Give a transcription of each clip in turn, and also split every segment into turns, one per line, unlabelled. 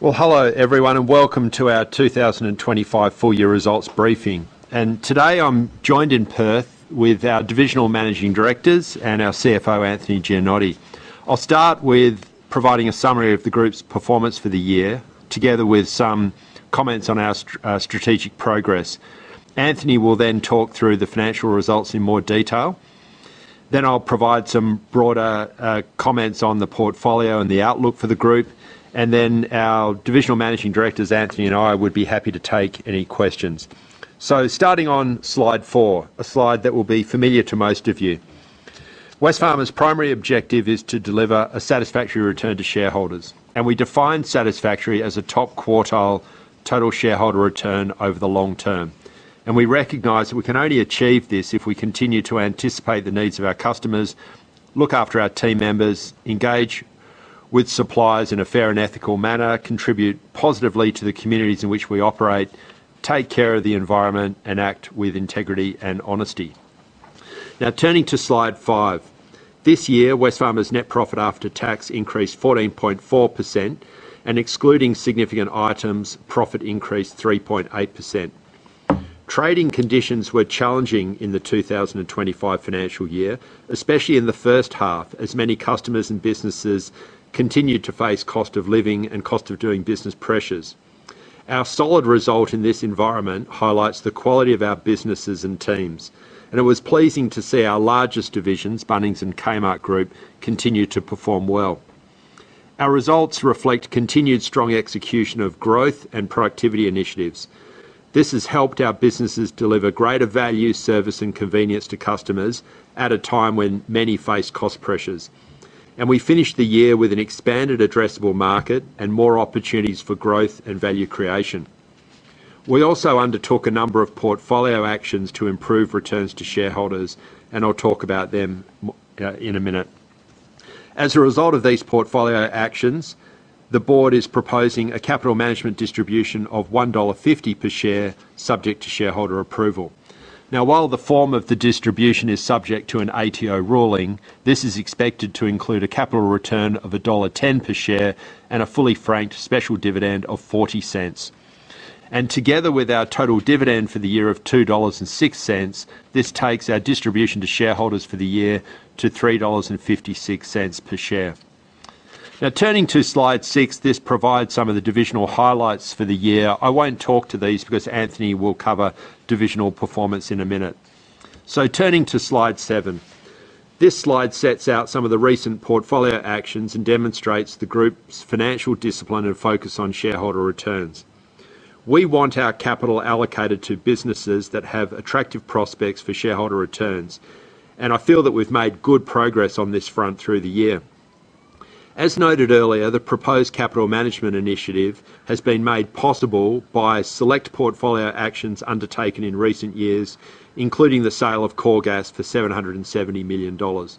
Well, hello everyone and welcome to our 2025 full-year results briefing. Today I'm joined in Perth with our Divisional Managing Directors and our CFO, Anthony Gianotti. I'll start with providing a summary of the group's performance for the year, together with some comments on our strategic progress. Anthony will then talk through the financial results in more detail. I'll provide some broader comments on the portfolio and the outlook for the group. Our Divisional Managing Directors, Anthony, and I would be happy to take any questions. Starting on slide four, a slide that will be familiar to most of you. Wesfarmers' primary objective is to deliver a satisfactory return to shareholders. We define satisfactory as a top quartile total shareholder return over the long term. We recognize that we can only achieve this if we continue to anticipate the needs of our customers, look after our team members, engage with suppliers in a fair and ethical manner, contribute positively to the communities in which we operate, take care of the environment, and act with integrity and honesty. Now, turning to slide five, this year, Wesfarmers' net profit after tax increased 14.4%, and excluding significant items, profit increased 3.8%. Trading conditions were challenging in the 2025 financial year, especially in the first half, as many customers and businesses continued to face cost-of-living and cost of doing business pressures. Our solid result in this environment highlights the quality of our businesses and teams, and it was pleasing to see our largest divisions, Bunnings and Kmart Group, continue to perform well. Our results reflect continued strong execution of growth and productivity initiatives. This has helped our businesses deliver greater value, service, and convenience to customers at a time when many face cost pressures. We finished the year with an expanded addressable market and more opportunities for growth and value creation. We also undertook a number of portfolio actions to improve returns to shareholders, and I'll talk about them in a minute. As a result of these portfolio actions, the board is proposing a capital management distribution of 1.50 dollar per share, subject to shareholder approval. While the form of the distribution is subject to an ATO ruling, this is expected to include a capital return of dollar 1.10 per share and a fully franked special dividend of 0.40. Together with our total dividend for the year of 2.06 dollars, this takes our distribution to shareholders for the year to 3.56 dollars per share. Now, turning to slide six, this provides some of the divisional highlights for the year. I won't talk to these because Anthony will cover divisional performance in a minute. Turning to slide seven, this slide sets out some of the recent portfolio actions and demonstrates the group's financial discipline and focus on shareholder returns. We want our capital allocated to businesses that have attractive prospects for shareholder returns, and I feel that we've made good progress on this front through the year. As noted earlier, the proposed capital management initiative has been made possible by select portfolio actions undertaken in recent years, including the sale of CoreGas for 770 million dollars.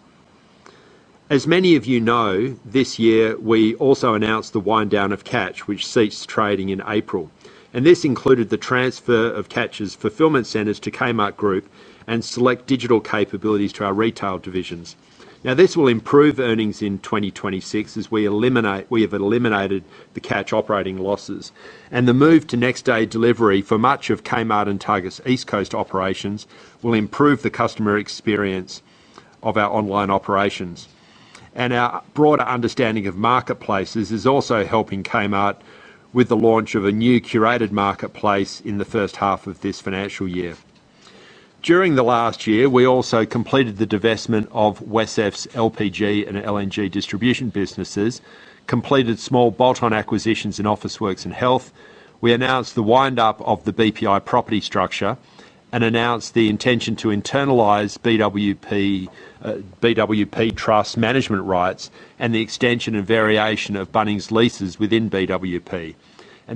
As many of you know, this year we also announced the wind-down of Catch, which ceased trading in April. This included the transfer of Catch's fulfilment centers to Kmart Group and select digital capabilities to our retail divisions. This will improve earnings in 2026 as we have eliminated the Catch operating losses. The move to next-day delivery for much of Kmart and Target's East Coast operations will improve the customer experience of our online operations. Our broader understanding of marketplaces is also helping Kmart with the launch of a new curated marketplace in the first half of this financial year. During the last year, we also completed the divestment of WesCEF's LPG and LNG distribution businesses and completed small bolt-on acquisitions in Officeworks and Health. We announced the wind-up of the BPI property structure and announced the intention to internalize BWP Trust management rights and the extension and variation of Bunnings leases within BWP.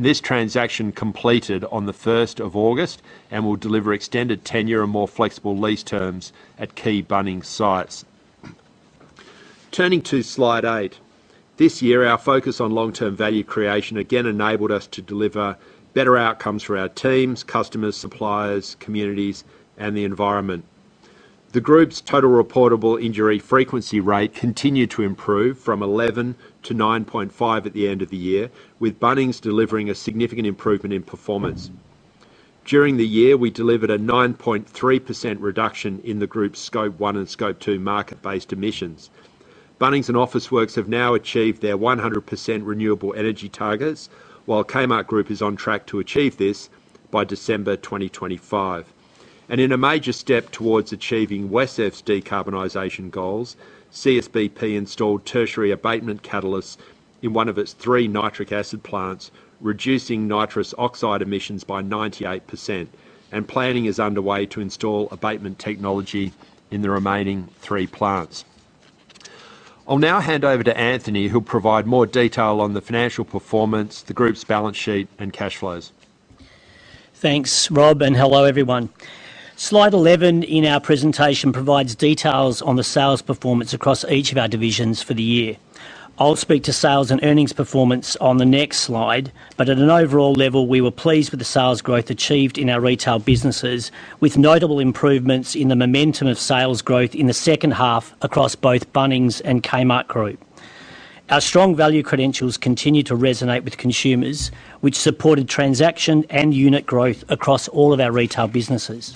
This transaction completed on 1st of August and will deliver extended tenure and more flexible lease terms at key Bunnings sites. Turning to slide eight, this year our focus on long-term value creation again enabled us to deliver better outcomes for our teams, customers, suppliers, communities, and the environment. The group's total reportable injury frequency rate continued to improve from 11-9.5 at the end of the year, with Bunnings delivering a significant improvement in performance. During the year, we delivered a 9.3% reduction in the group's Scope 1 and Scope 2 market-based emissions. Bunnings and Officeworks have now achieved their 100% renewable energy targets, while Kmart Group is on track to achieve this by December 2025. In a major step towards achieving WesCEF's decarbonization goals, CSBP installed tertiary abatement catalysts in one of its three nitric acid plants, reducing nitrous oxide emissions by 98%, and planning is underway to install abatement technology in the remaining two plants. I'll now hand over to Anthony, who'll provide more detail on the financial performance, the group's balance sheet, and cash flows.
Thanks, Rob, and hello everyone. Slide 11 in our presentation provides details on the sales performance across each of our divisions for the year. I'll speak to sales and earnings performance on the next slide, but at an overall level, we were pleased with the sales growth achieved in our retail businesses, with notable improvements in the momentum of sales growth in the second half across both Bunnings and Kmart Group. Our strong value credentials continue to resonate with consumers, which supported transaction and unit growth across all of our retail businesses.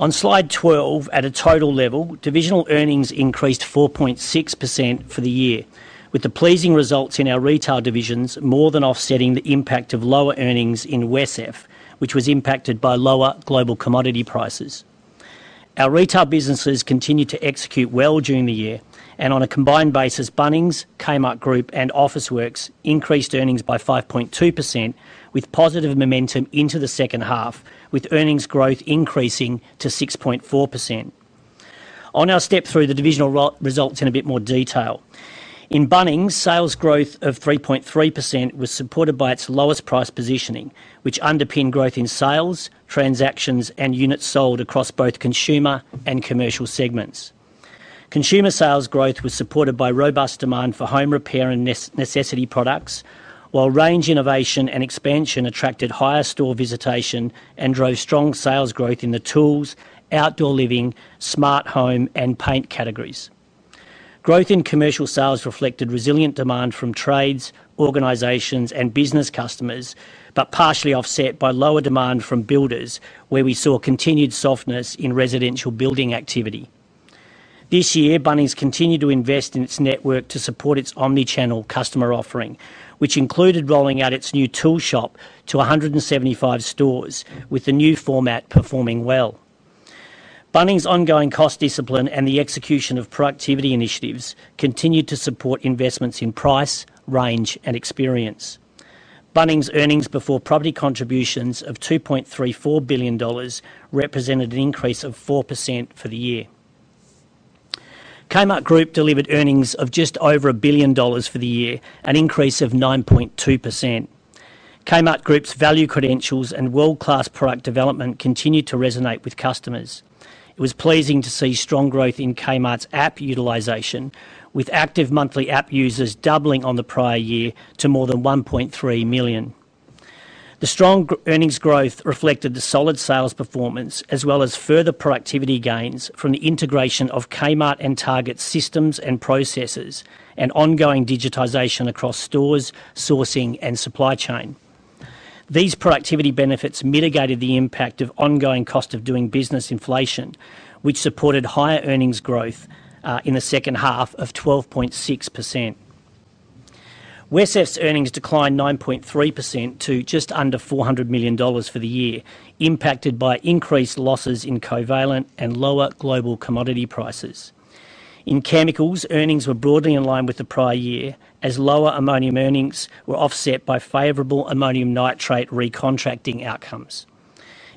On slide 12, at a total level, divisional earnings increased 4.6% for the year, with the pleasing results in our retail divisions more than offsetting the impact of lower earnings in WesCEF, which was impacted by lower global commodity prices. Our retail businesses continued to execute well during the year, and on a combined basis, Bunnings, Kmart Group, and Officeworks increased earnings by 5.2%, with positive momentum into the second half, with earnings growth increasing to 6.4%. On our step through, the divisional results in a bit more detail. In Bunnings, sales growth of 3.3% was supported by its lowest price positioning, which underpinned growth in sales, transactions, and units sold across both consumer and commercial segments. Consumer sales growth was supported by robust demand for home repair and necessity products, while range innovation and expansion attracted higher store visitation and drove strong sales growth in the tools, outdoor living, smart home, and paint categories. Growth in commercial sales reflected resilient demand from trades, organizations, and business customers, but partially offset by lower demand from builders, where we saw continued softness in residential building activity. This year, Bunnings continued to invest in its network to support its omnichannel customer offering, which included rolling out its new tool shop to 175 stores, with the new format performing well. Bunnings' ongoing cost discipline and the execution of productivity initiatives continued to support investments in price, range, and experience. Bunnings' earnings before property contributions of 2.34 billion dollars represented an increase of 4% for the year. Kmart Group delivered earnings of just over 1 billion dollars for the year, an increase of 9.2%. Kmart Group's value credentials and world-class product development continue to resonate with customers. It was pleasing to see strong growth in Kmart's app utilization, with active monthly app users doubling on the prior year to more than 1.3 million. The strong earnings growth reflected the solid sales performance, as well as further productivity gains from the integration of Kmart and Target's systems and processes, and ongoing digitization across stores, sourcing, and supply chain. These productivity benefits mitigated the impact of ongoing cost of doing business inflation, which supported higher earnings growth in the second half of 12.6%. WesCEF's earnings declined 9.3% to just under 400 million dollars for the year, impacted by increased losses in Covalent and lower global commodity prices. In chemicals, earnings were broadly in line with the prior year, as lower ammonium earnings were offset by favorable ammonium nitrate re-contracting outcomes.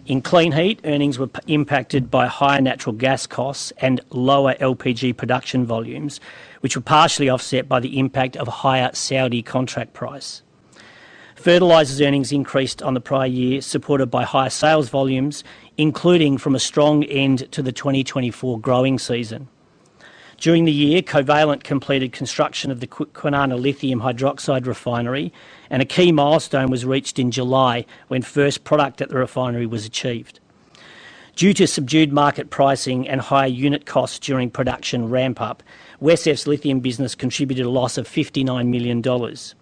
In clean heat, earnings were impacted by higher natural gas costs and lower LPG production volumes, which were partially offset by the impact of a higher Saudi contract price. Fertilisers' earnings increased on the prior year, supported by higher sales volumes, including from a strong end to the 2024 growing season. During the year, Covalent completed construction of the Kwinana lithium hydroxide refinery, and a key milestone was reached in July when first product at the refinery was achieved. Due to subdued market pricing and higher unit costs during production ramp-up, WesCEF's lithium business contributed a loss of 59 million dollars.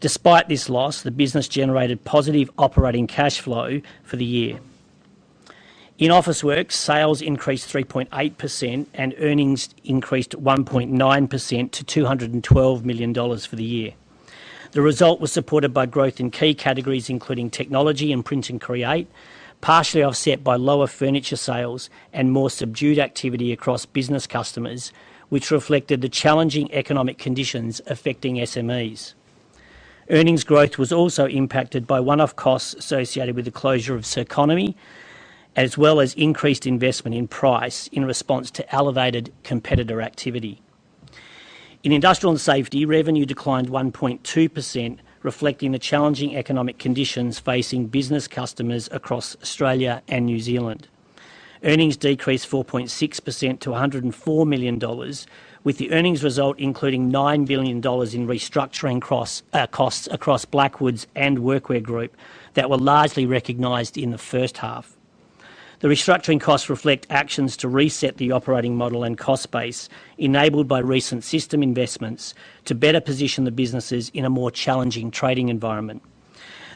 Despite this loss, the business generated positive operating cash flow for the year. In Officeworks, sales increased 3.8% and earnings increased 1.9% to 212 million dollars for the year. The result was supported by growth in key categories, including technology and print and create, partially offset by lower furniture sales and more subdued activity across business customers, which reflected the challenging economic conditions affecting SMEs. Earnings growth was also impacted by one-off costs associated with the closure of Circonomy, as well as increased investment in price in response to elevated competitor activity. In Industrial and Safety, revenue declined 1.2%, reflecting the challenging economic conditions facing business customers across Australia and New Zealand. Earnings decreased 4.6% to 104 million dollars, with the earnings result including 9 million dollars in restructuring costs across Blackwoods and Workwear Group that were largely recognized in the first half. The restructuring costs reflect actions to reset the operating model and cost base, enabled by recent system investments to better position the businesses in a more challenging trading environment.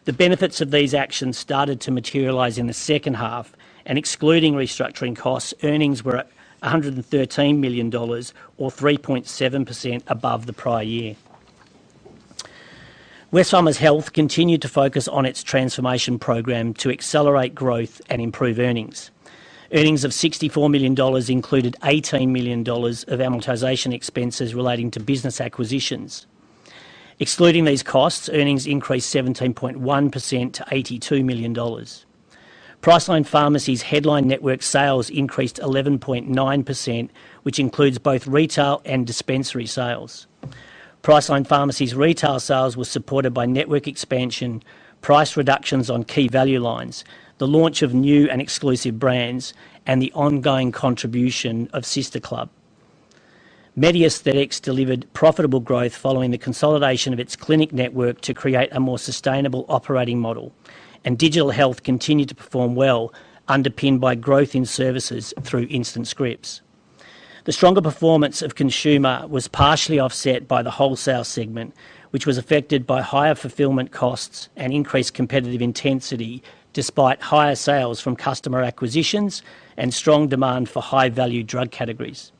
The benefits of these actions started to materialize in the second half, and excluding restructuring costs, earnings were at AUD 113 million, or 3.7% above the prior year. Wesfarmers Health continued to focus on its transformation program to accelerate growth and improve earnings. Earnings of 64 million dollars included 18 million dollars of amortization expenses relating to business acquisitions. Excluding these costs, earnings increased 17.1% to 82 million dollars. Priceline Pharmacy's headline network sales increased 11.9%, which includes both retail and dispensary sales. Priceline Pharmacy's retail sales were supported by network expansion, price reductions on key value lines, the launch of new and exclusive brands, and the ongoing contribution of Sister Club. MediAesthetics delivered profitable growth following the consolidation of its clinic network to create a more sustainable operating model, and digital health continued to perform well, underpinned by growth in services through instant scripts. The stronger performance of Consumer was partially offset by the wholesale segment, which was affected by higher fulfillment costs and increased competitive intensity, despite higher sales from customer acquisitions and strong demand for high-value drug categories.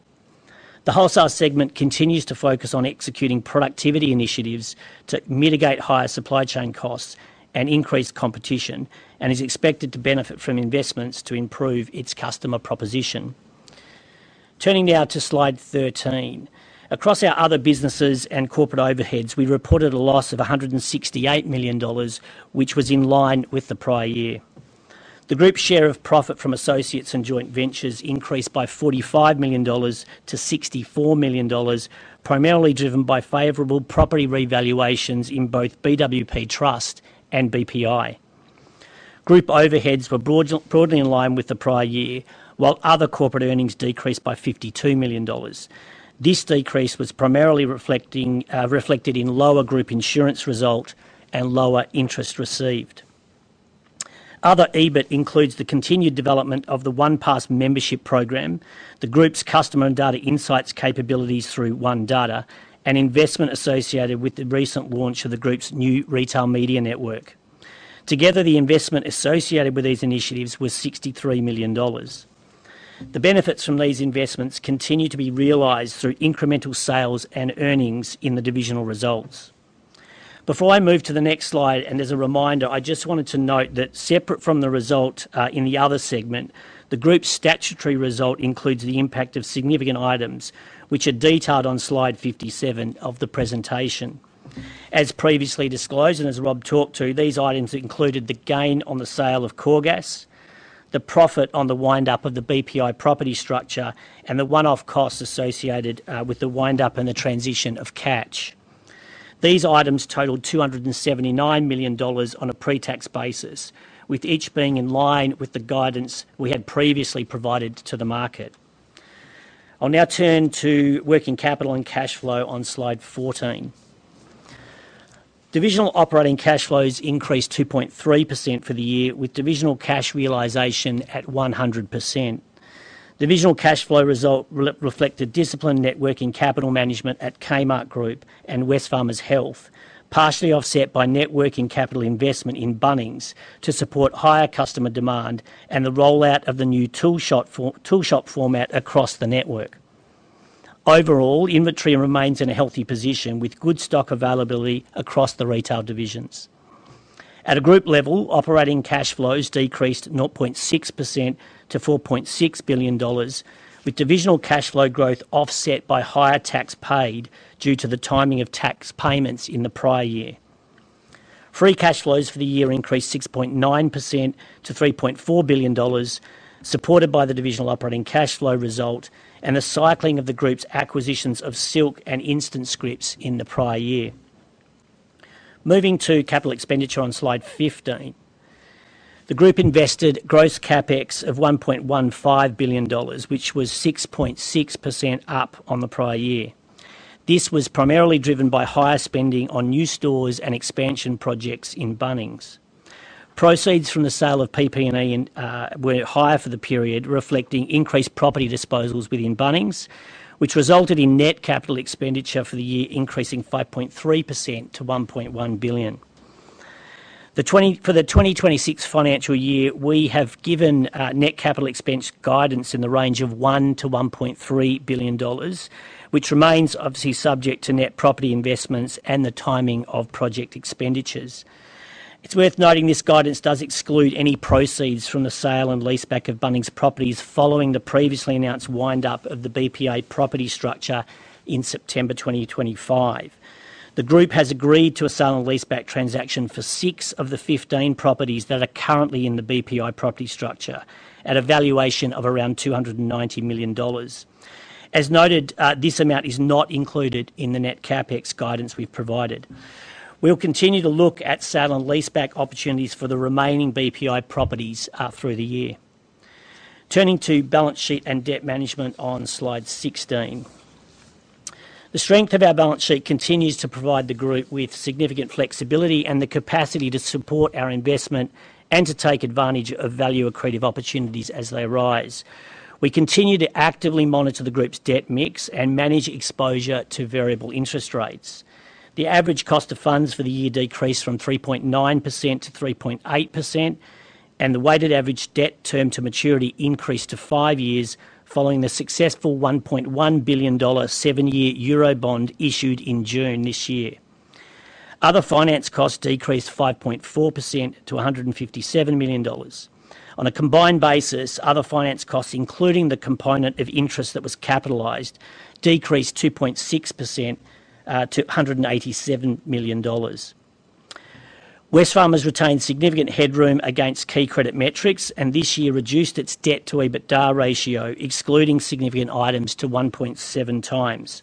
The wholesale segment continues to focus on executing productivity initiatives to mitigate higher supply chain costs and increased competition, and is expected to benefit from investments to improve its customer proposition. Turning now to slide 13, across our other businesses and corporate overheads, we reported a loss of 168 million dollars, which was in line with the prior year. The group's share of profit from associates and joint ventures increased by AUD 45 million to AUD 64 million, primarily driven by favorable property revaluations in both BWP Trust and BPI. Group overheads were broadly in line with the prior year, while other corporate earnings decreased by 52 million dollars. This decrease was primarily reflected in lower group insurance result and lower interest received. Other EBIT includes the continued development of the OnePass membership program, the group's customer and data insights capabilities through OneData, and investment associated with the recent launch of the group's new retail media network. Together, the investment associated with these initiatives was 63 million dollars. The benefits from these investments continue to be realized through incremental sales and earnings in the divisional results. Before I move to the next slide, and as a reminder, I just wanted to note that separate from the result in the other segment, the group's statutory result includes the impact of significant items, which are detailed on slide 57 of the presentation. As previously disclosed, and as Rob talked to, these items included the gain on the sale of CoreGas, the profit on the wind-down of the BPI property structure, and the one-off costs associated with the wind-down and the transition of Catch. These items totaled 279 million dollars on a pre-tax basis, with each being in line with the guidance we had previously provided to the market. I'll now turn to working capital and cash flow on slide 14. Divisional operating cash flows increased 2.3% for the year, with divisional cash realization at 100%. Divisional cash flow result reflected disciplined net working capital management at Kmart Group and Wesfarmers Health, partially offset by net working capital investment in Bunnings to support higher customer demand and the rollout of the new tool shop format across the network. Overall, inventory remains in a healthy position, with good stock availability across the retail divisions. At a group level, operating cash flows decreased 0.6% to 4.6 billion dollars, with divisional cash flow growth offset by higher tax paid due to the timing of tax payments in the prior year. Free cash flows for the year increased 6.9% to 3.4 billion dollars, supported by the divisional operating cash flow result and the cycling of the group's acquisitions of Silk and Instant Scripts in the prior year. Moving to capital expenditure on slide 15, the group invested gross CapEx of 1.15 billion dollars, which was 6.6% up on the prior year. This was primarily driven by higher spending on new stores and expansion projects in Bunnings. Proceeds from the sale of PP&E were higher for the period, reflecting increased property disposals within Bunnings, which resulted in net capital expenditure for the year increasing 5.3% to 1.1 billion. For the 2026 financial year, we have given net capital expense guidance in the range of 1 billion to 1.3 billion dollars, which remains obviously subject to net property investments and the timing of project expenditures. It's worth noting this guidance does exclude any proceeds from the sale and leaseback of Bunnings properties following the previously announced wind-down of the BPI property structure in September 2025. The group has agreed to a sale and leaseback transaction for six of the 15 properties that are currently in the BPI property structure at a valuation of around 290 million dollars. As noted, this amount is not included in the net CapEx guidance we've provided. We'll continue to look at sale and leaseback opportunities for the remaining BPI properties through the year. Turning to balance sheet and debt management on slide 16, the strength of our balance sheet continues to provide the group with significant flexibility and the capacity to support our investment and to take advantage of value accretive opportunities as they arise. We continue to actively monitor the group's debt mix and manage exposure to variable interest rates. The average cost of funds for the year decreased from 3.9%-3.8%, and the weighted average debt term to maturity increased to five years following the successful 1.1 billion dollar seven-year Eurobond issued in June this year. Other finance costs decreased 5.4% to 157 million dollars. On a combined basis, other finance costs, including the component of interest that was capitalized, decreased 2.6% to AUD 187 million. Wesfarmers retained significant headroom against key credit metrics, and this year reduced its debt-to-EBITDA ratio, excluding significant items, to 1.7x.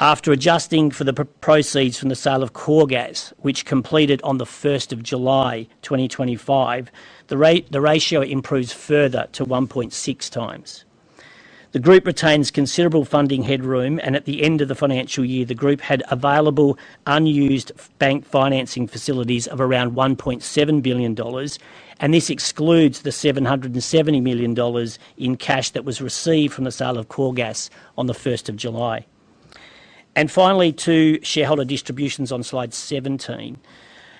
After adjusting for the proceeds from the sale of CoreGas, which completed on the 1st of July 2025, the ratio improves further to 1.6x. The group retains considerable funding headroom, and at the end of the financial year, the group had available unused bank financing facilities of around 1.7 billion dollars, and this excludes the 770 million dollars in cash that was received from the sale of CoreGas on the 1st of July. Finally, to shareholder distributions on slide 17,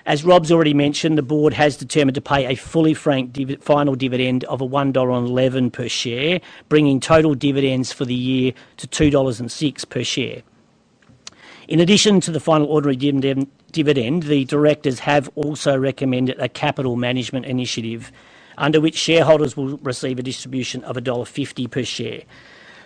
as Rob's already mentioned, the board has determined to pay a fully franked final dividend of 1.11 dollar per share, bringing total dividends for the year to 2.06 dollars per share. In addition to the final ordinary dividend, the directors have also recommended a capital management initiative under which shareholders will receive a distribution of dollar 1.50 per share.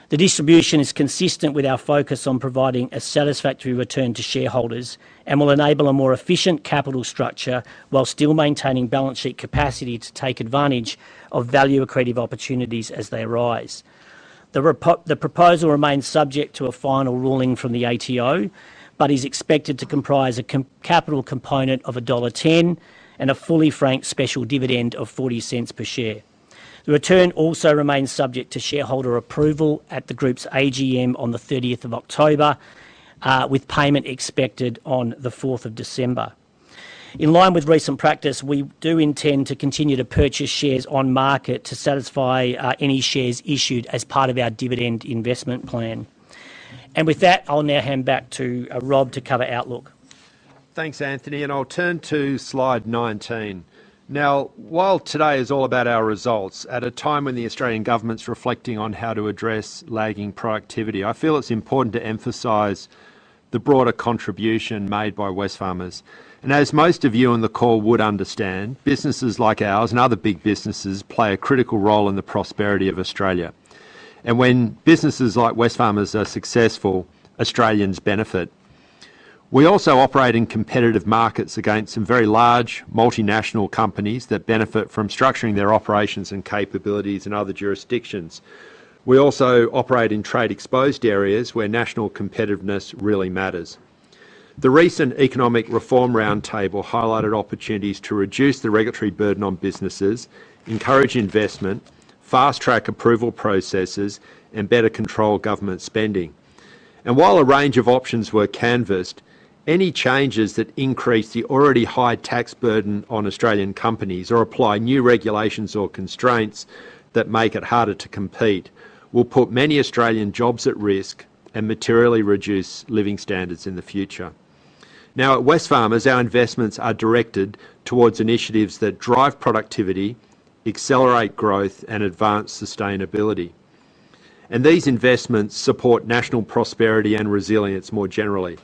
The distribution is consistent with our focus on providing a satisfactory return to shareholders and will enable a more efficient capital structure while still maintaining balance sheet capacity to take advantage of value accretive opportunities as they arise. The proposal remains subject to a final ruling from the ATO, but is expected to comprise a capital component of dollar 1.10 and a fully franked special dividend of 0.40 per share. The return also remains subject to shareholder approval at the group's AGM on the 30th of October, with payment expected on the 4th of December. In line with recent practice, we do intend to continue to purchase shares on market to satisfy any shares issued as part of our dividend investment plan. With that, I'll now hand back to Rob to cover outlook.
Thanks, Anthony, and I'll turn to slide 19. Now, while today is all about our results, at a time when the Australian government's reflecting on how to address lagging productivity, I feel it's important to emphasize the broader contribution made by Wesfarmers. As most of you on the call would understand, businesses like ours and other big businesses play a critical role in the prosperity of Australia. When businesses like Wesfarmers are successful, Australians benefit. We also operate in competitive markets against some very large multinational companies that benefit from structuring their operations and capabilities in other jurisdictions. We also operate in trade-exposed areas where national competitiveness really matters. The recent economic reform roundtable highlighted opportunities to reduce the regulatory burden on businesses, encourage investment, fast-track approval processes, and better control government spending. While a range of options were canvassed, any changes that increase the already high tax burden on Australian companies or apply new regulations or constraints that make it harder to compete will put many Australian jobs at risk and materially reduce living standards in the future. At Wesfarmers, our investments are directed towards initiatives that drive productivity, accelerate growth, and advance sustainability. These investments support national prosperity and resilience more generally.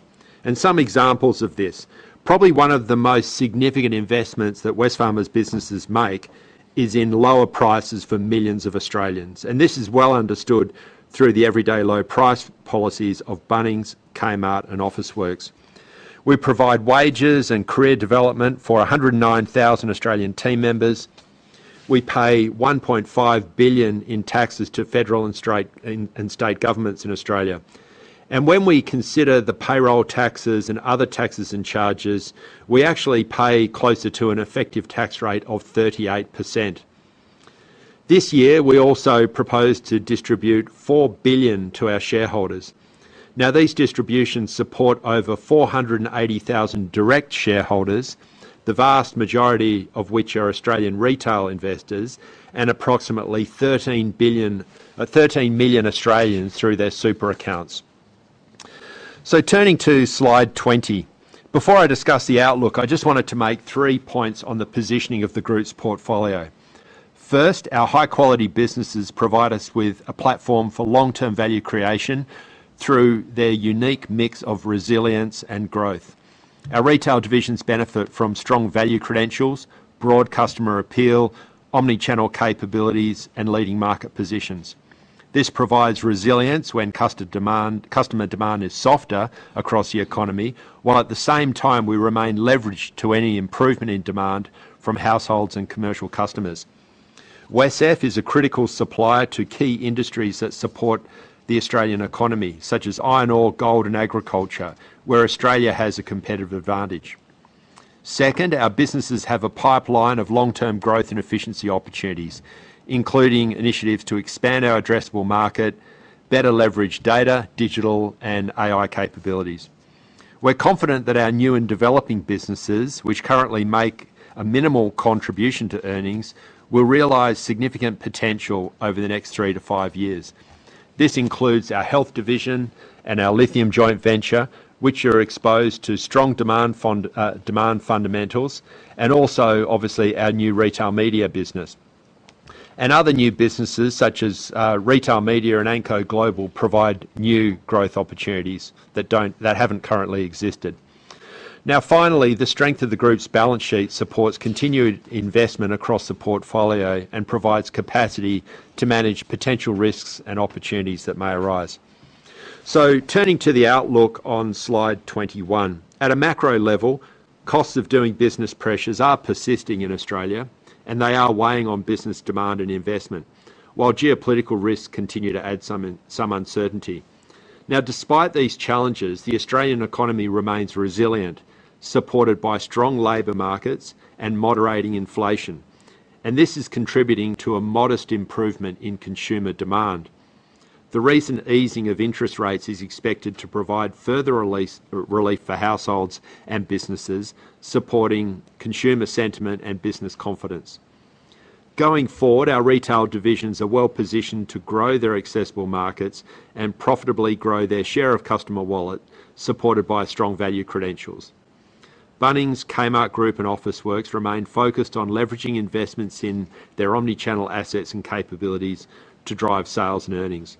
Some examples of this, probably one of the most significant investments that Wesfarmers businesses make, is in lower prices for millions of Australians. This is well understood through the everyday low price policies of Bunnings, Kmart, and Officeworks. We provide wages and career development for 109,000 Australian team members. We pay 1.5 billion in taxes to federal and state governments in Australia. When we consider the payroll taxes and other taxes and charges, we actually pay closer to an effective tax rate of 38%. This year, we also proposed to distribute 4 billion to our shareholders. These distributions support over 480,000 direct shareholders, the vast majority of which are Australian retail investors, and approximately 13 million Australians through their super accounts. Turning to slide 20, before I discuss the outlook, I just wanted to make three points on the positioning of the group's portfolio. First, our high-quality businesses provide us with a platform for long-term value creation through their unique mix of resilience and growth. Our retail divisions benefit from strong value credentials, broad customer appeal, omnichannel capabilities, and leading market positions. This provides resilience when customer demand is softer across the economy, while at the same time we remain leveraged to any improvement in demand from households and commercial customers. WesCEF is a critical supplier to key industries that support the Australian economy, such as iron ore, gold, and agriculture, where Australia has a competitive advantage. Second, our businesses have a pipeline of long-term growth and efficiency opportunities, including initiatives to expand our addressable market, better leverage data, digital, and AI capabilities. We're confident that our new and developing businesses, which currently make a minimal contribution to earnings, will realise significant potential over the next three to five years. This includes our Health division and our lithium joint venture, which are exposed to strong demand fundamentals, and also obviously our new retail media business. Other new businesses such as Retail Media and Anko Global provide new growth opportunities that haven't currently existed. Finally, the strength of the group's balance sheet supports continued investment across the portfolio and provides capacity to manage potential risks and opportunities that may arise. Turning to the outlook on slide 21, at a macro level, cost-of-doing-business pressures are persisting in Australia, and they are weighing on business demand and investment, while geopolitical risks continue to add some uncertainty. Despite these challenges, the Australian economy remains resilient, supported by strong labor markets and moderating inflation. This is contributing to a modest improvement in consumer demand. The recent easing of interest rates is expected to provide further relief for households and businesses, supporting consumer sentiment and business confidence. Going forward, our retail divisions are well positioned to grow their accessible markets and profitably grow their share of customer wallet, supported by strong value credentials. Bunnings, Kmart Group, and Officeworks remain focused on leveraging investments in their omnichannel assets and capabilities to drive sales and earnings.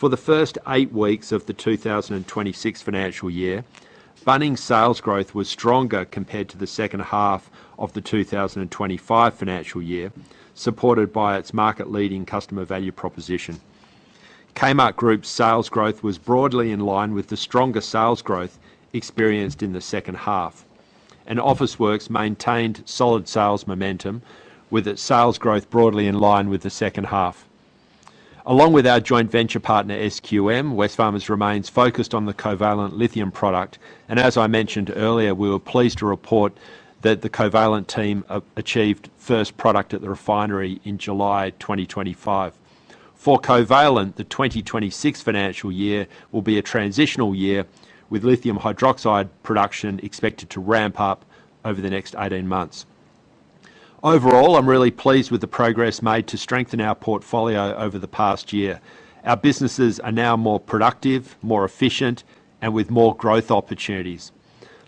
For the first eight weeks of the 2026 financial year, Bunnings' sales growth was stronger compared to the second half of the 2025 financial year, supported by its market-leading customer value proposition. Kmart Group's sales growth was broadly in line with the stronger sales growth experienced in the second half. Officeworks maintained solid sales momentum with its sales growth broadly in line with the second half. Along with our joint venture partner SQM, Wesfarmers remains focused on the Covalent lithium product. As I mentioned earlier, we were pleased to report that the Covalent team achieved first product at the refinery in July 2025. For Covalent, the 2026 financial year will be a transitional year, with lithium hydroxide production expected to ramp up over the next 18 months. Overall, I'm really pleased with the progress made to strengthen our portfolio over the past year. Our businesses are now more productive, more efficient, and with more growth opportunities.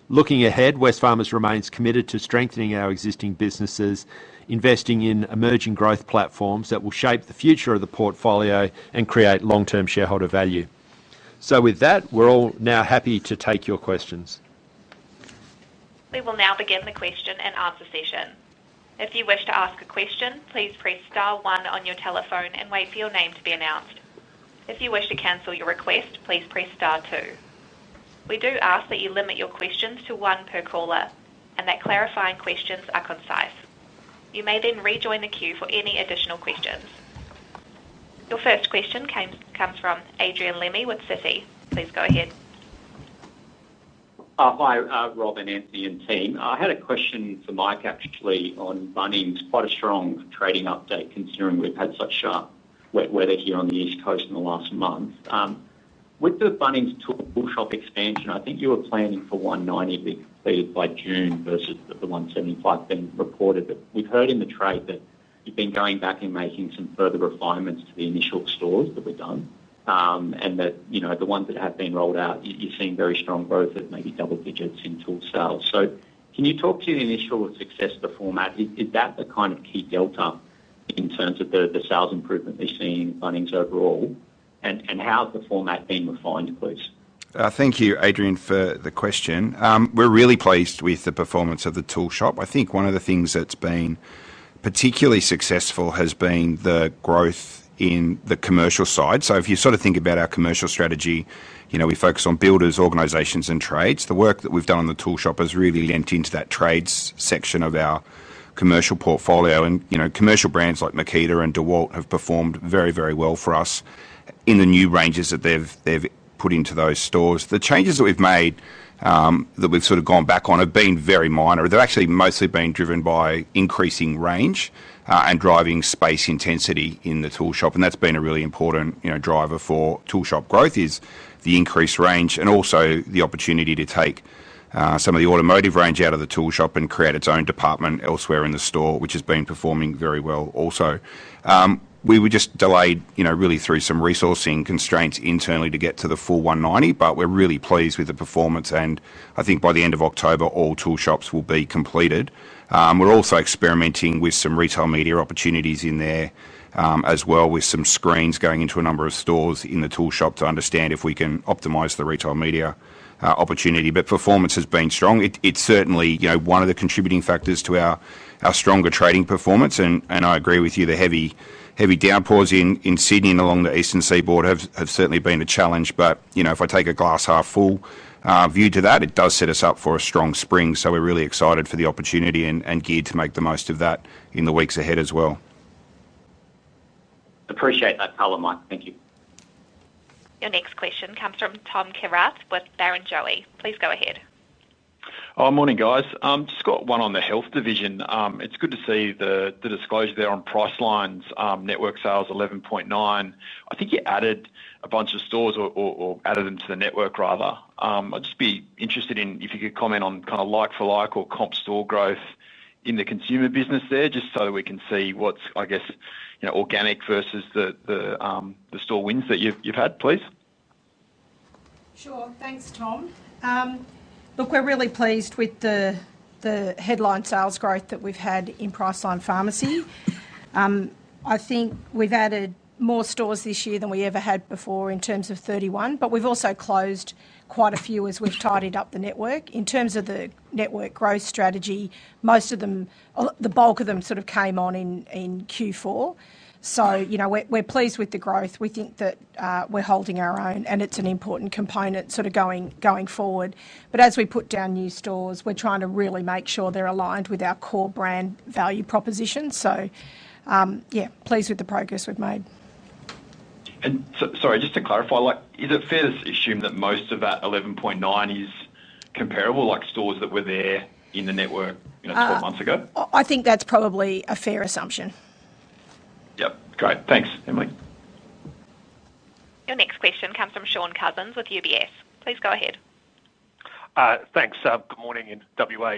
Looking ahead, Wesfarmers remains committed to strengthening our existing businesses, investing in emerging growth platforms that will shape the future of the portfolio and create long-term shareholder value. We are all now happy to take your questions.
We will now begin the question and answer session. If you wish to ask a question, please press star one on your telephone and wait for your name to be announced. If you wish to cancel your request, please press star two. We do ask that you limit your questions to one per caller and that clarifying questions are concise. You may then rejoin the queue for any additional questions. Your first question comes from Adrian Lemme with CITI. Please go ahead.
Hi, Rob and Anthony and team. I had a question for Mike, actually, on Bunnings. Quite a strong trading update considering we've had such sharp wet weather here on the East Coast in the last month. With the Bunnings tool shop expansion, I think you were planning for 190 to be completed by June versus the 175 being recorded. We've heard in the trade that you've been going back and making some further refinements to the initial stores that were done. The ones that have been rolled out, you've seen very strong growth of maybe double digits in tool sales. Can you talk to the initial success of the format? Is that the kind of key delta in terms of the sales improvement we've seen in Bunnings overall? How's the format been refined, please?
Thank you, Adrian, for the question. We're really pleased with the performance of the tool shop. I think one of the things that's been particularly successful has been the growth in the commercial side. If you sort of think about our commercial strategy, you know, we focus on builders, organizations, and trades. The work that we've done on the tool shop has really lent into that trades section of our commercial portfolio. You know, commercial brands like Makita and DeWalt have performed very, very well for us in the new ranges that they've put into those stores. The changes that we've made, that we've sort of gone back on, have been very minor. They've actually mostly been driven by increasing range and driving space intensity in the tool shop. That's been a really important, you know, driver for tool shop growth is the increased range and also the opportunity to take some of the automotive range out of the tool shop and create its own department elsewhere in the store, which has been performing very well also. We were just delayed, you know, really through some resourcing constraints internally to get to the full 190, but we're really pleased with the performance. I think by the end of October, all tool shops will be completed. We're also experimenting with some retail media opportunities in there as well, with some screens going into a number of stores in the tool shop to understand if we can optimize the retail media opportunity. Performance has been strong. It's certainly, you know, one of the contributing factors to our stronger trading performance. I agree with you, the heavy downpours in Sydney and along the eastern seaboard have certainly been a challenge. If I take a glass half full view to that, it does set us up for a strong spring. We're really excited for the opportunity and geared to make the most of that in the weeks ahead as well.
Appreciate that color, Mike. Thank you.
Your next question comes from Tom Kierath with Barrenjoey. Please go ahead.
Morning, guys. I've just got one on the Health division. It's good to see the disclosure there on Priceline's network sales 11.9%. I think you added a bunch of stores or added them to the network, rather. I'd just be interested if you could comment on kind of like for like or comp store growth in the consumer business there, just so that we can see what's, I guess, you know, organic versus the store wins that you've had, please.
Sure, thanks, Tom. Look, we're really pleased with the headline sales growth that we've had in Priceline Pharmacy. I think we've added more stores this year than we ever had before in terms of 31, but we've also closed quite a few as we've tidied up the network. In terms of the network growth strategy, most of them, the bulk of them, came on in Q4. We're pleased with the growth. We think that we're holding our own, and it's an important component going forward. As we put down new stores, we're trying to really make sure they're aligned with our core brand value proposition. Yeah, pleased with the progress we've made.
Sorry, just to clarify, is it fair to assume that most of that 11.9 million is comparable, like stores that were there in the network four months ago?
I think that's probably a fair assumption.
Yep, great. Thanks, Emily.
Your next question comes from Shaun Cousins with UBS. Please go ahead.
Thanks. Good morning in WA.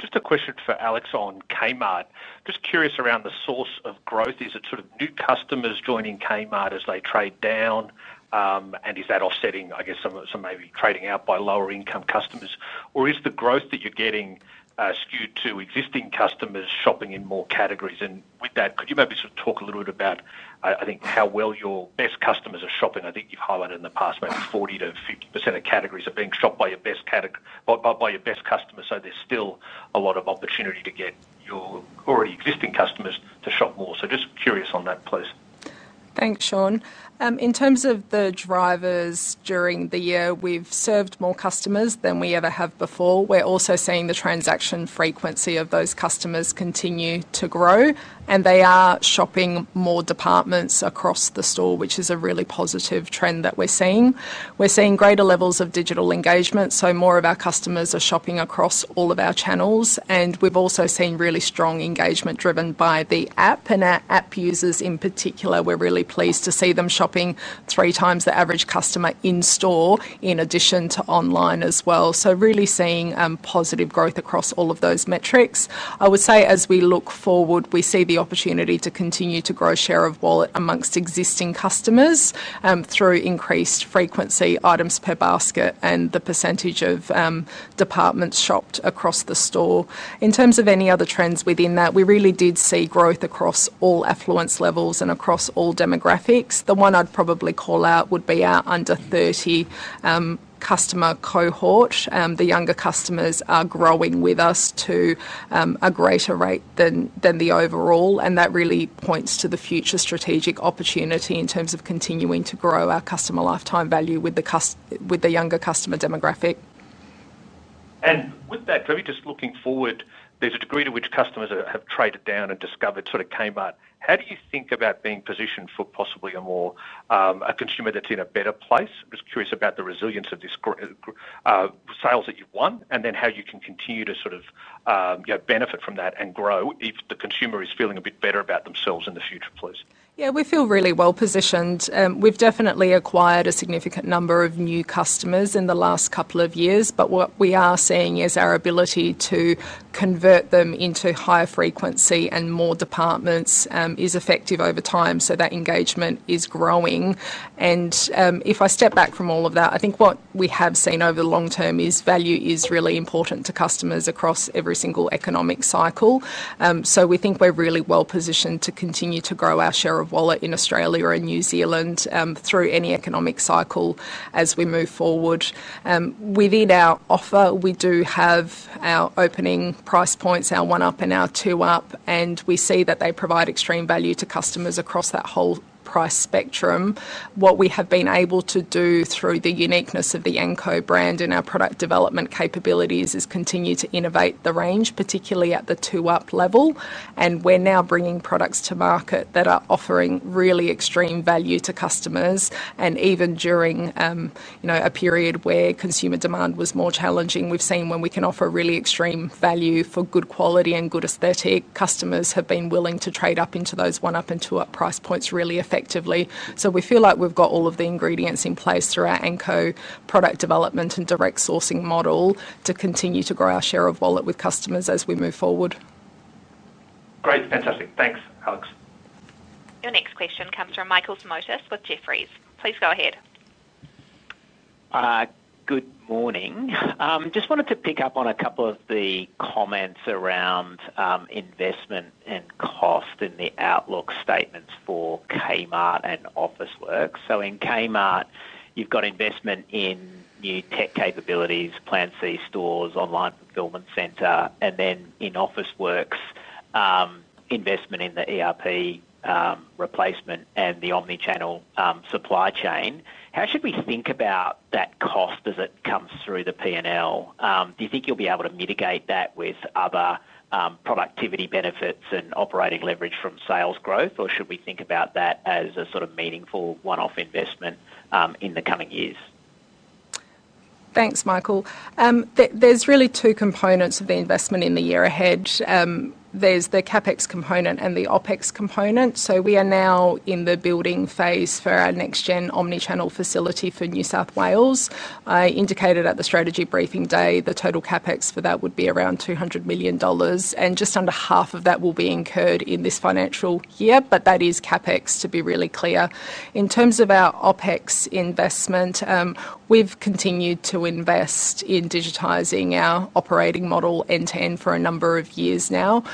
Just a question for Aleks on Kmart. Just curious around the source of growth. Is it sort of new customers joining Kmart as they trade down? Is that offsetting, I guess, some maybe trading out by lower income customers? Is the growth that you're getting skewed to existing customers shopping in more categories? With that, could you maybe talk a little bit about, I think, how well your best customers are shopping? I think you've highlighted in the past maybe 40%-50% of categories are being shopped by your best customers. There's still a lot of opportunity to get your already existing customers to shop more. Just curious on that, please.
Thanks, Shaun. In terms of the drivers during the year, we've served more customers than we ever have before. We're also seeing the transaction frequency of those customers continue to grow. They are shopping more departments across the store, which is a really positive trend that we're seeing. We're seeing greater levels of digital engagement. More of our customers are shopping across all of our channels. We've also seen really strong engagement driven by the app. Our app users in particular, we're really pleased to see them shopping three times the average customer in store, in addition to online as well. Really seeing positive growth across all of those metrics. I would say as we look forward, we see the opportunity to continue to grow share of wallet amongst existing customers through increased frequency, items per basket, and the percentage of departments shopped across the store. In terms of any other trends within that, we really did see growth across all affluence levels and across all demographics. The one I'd probably call out would be our under 30 customer cohort. The younger customers are growing with us to a greater rate than the overall. That really points to the future strategic opportunity in terms of continuing to grow our customer lifetime value with the younger customer demographic.
With that, maybe just looking forward, there's a degree to which customers have traded down and discovered sort of Kmart. How do you think about being positioned for possibly a more consumer that's in a better place? I'm just curious about the resilience of these sales that you've won and then how you can continue to sort of, you know, benefit from that and grow if the consumer is feeling a bit better about themselves in the future, please.
Yeah, we feel really well positioned. We've definitely acquired a significant number of new customers in the last couple of years. What we are seeing is our ability to convert them into higher frequency and more departments is effective over time. That engagement is growing. If I step back from all of that, I think what we have seen over the long term is value is really important to customers across every single economic cycle. We think we're really well positioned to continue to grow our share of wallet in Australia and New Zealand through any economic cycle as we move forward. Within our offer, we do have our opening price points, our one-up and our two-up, and we see that they provide extreme value to customers across that whole price spectrum. What we have been able to do through the uniqueness of the Anchor brand in our product development capabilities is continue to innovate the range, particularly at the two-up level. We're now bringing products to market that are offering really extreme value to customers. Even during a period where consumer demand was more challenging, we've seen when we can offer really extreme value for good quality and good aesthetic, customers have been willing to trade up into those one-up and two-up price points really effectively. We feel like we've got all of the ingredients in place through our Anchor product development and direct sourcing model to continue to grow our share of wallet with customers as we move forward.
Great, fantastic. Thanks, Aleks.
Your next question comes from Michael Simotas with Jefferies. Please go ahead.
Good morning. I just wanted to pick up on a couple of the comments around investment and cost in the outlook statements for Kmart and Officeworks. In Kmart, you've got investment in new tech capabilities, Plan C stores, online fulfilment centre, and then in Officeworks, investment in the ERP replacement and the omnichannel supply chain. How should we think about that cost as it comes through the P&L? Do you think you'll be able to mitigate that with other productivity benefits and operating leverage from sales growth, or should we think about that as a sort of meaningful one-off investment in the coming years?
Thanks, Michael. There's really two components of the investment in the year ahead. There's the CapEx component and the OpEx component. We are now in the building phase for our next-gen omnichannel facility for New South Wales. I indicated at the strategy briefing day the total CapEx for that would be around 200 million dollars, and just under half of that will be incurred in this financial year, but that is CapEx to be really clear. In terms of our OpEx investment, we've continued to invest in digitising our operating model end-to-end for a number of years now.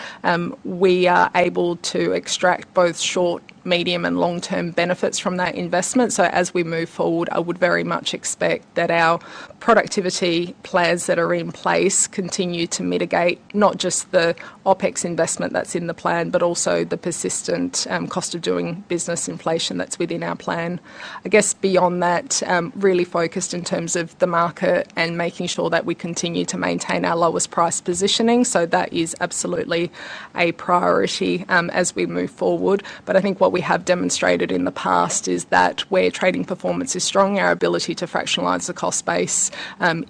We are able to extract both short, medium, and long-term benefits from that investment. As we move forward, I would very much expect that our productivity plans that are in place continue to mitigate not just the OpEx investment that's in the plan, but also the persistent cost of doing business inflation that's within our plan. I guess beyond that, really focused in terms of the market and making sure that we continue to maintain our lowest price positioning. That is absolutely a priority as we move forward. I think what we have demonstrated in the past is that where trading performance is strong, our ability to fractionalise the cost base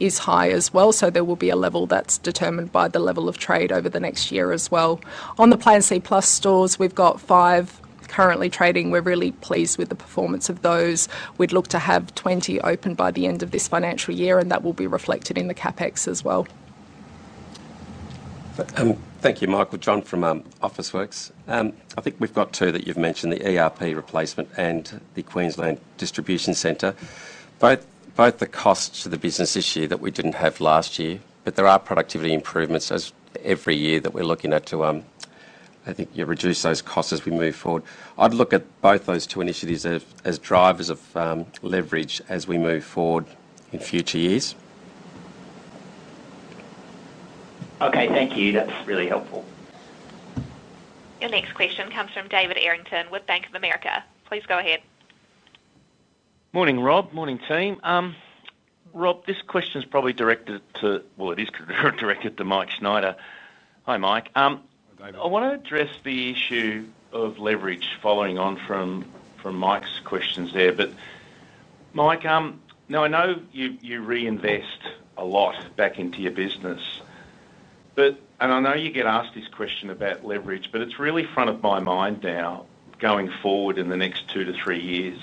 is high as well. There will be a level that's determined by the level of trade over the next year as well. On the Plan C plus stores, we've got five currently trading. We're really pleased with the performance of those. We'd look to have 20 open by the end of this financial year, and that will be reflected in the CapEx as well.
Thank you, Michael. John from Officeworks. I think we've got two that you've mentioned, the ERP replacement and the Queensland distribution centre. Both the costs to the business this year that we didn't have last year, but there are productivity improvements every year that we're looking at to, I think, reduce those costs as we move forward. I'd look at both those two initiatives as drivers of leverage as we move forward in future years.
Okay, thank you. That's really helpful.
Your next question comes from David Errington with Bank of America. Please go ahead.
Morning, Rob. Morning, team. Rob, this question's probably directed to, well, it is directed to Mike Schneider. Hi, Mike. I want to address the issue of leverage following on from Mike's questions there. Mike, I know you reinvest a lot back into your business, but I know you get asked this question about leverage. It's really front of my mind now going forward in the next two to three years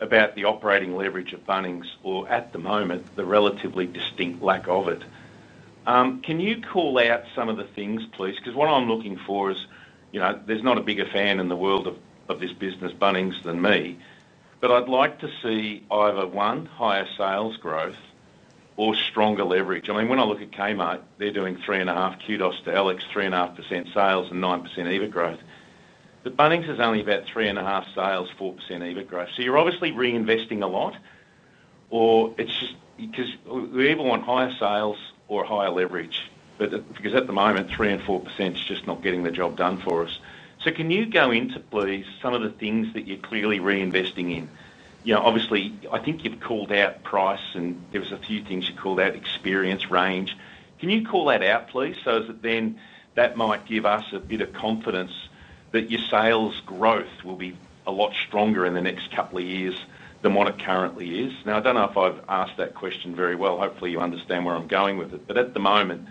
about the operating leverage of Bunnings, or at the moment, the relatively distinct lack of it. Can you call out some of the things, please? What I'm looking for is, you know, there's not a bigger fan in the world of this business, Bunnings, than me, but I'd like to see either one, higher sales growth or stronger leverage. I mean, when I look at Kmart, they're doing 3.5%, kudos to Aleks, 3.5% sales and 9% EBIT growth. Bunnings is only about 3.5% sales, 4% EBIT growth. You're obviously reinvesting a lot, or it's just because we either want higher sales or higher leverage, but at the moment, 3% and 4% is just not getting the job done for us. Can you go into, please, some of the things that you're clearly reinvesting in? Obviously, I think you've called out price, and there were a few things you called out, experience, range. Can you call that out, please? That might give us a bit of confidence that your sales growth will be a lot stronger in the next couple of years than what it currently is. I don't know if I've asked that question very well. Hopefully, you understand where I'm going with it. At the moment,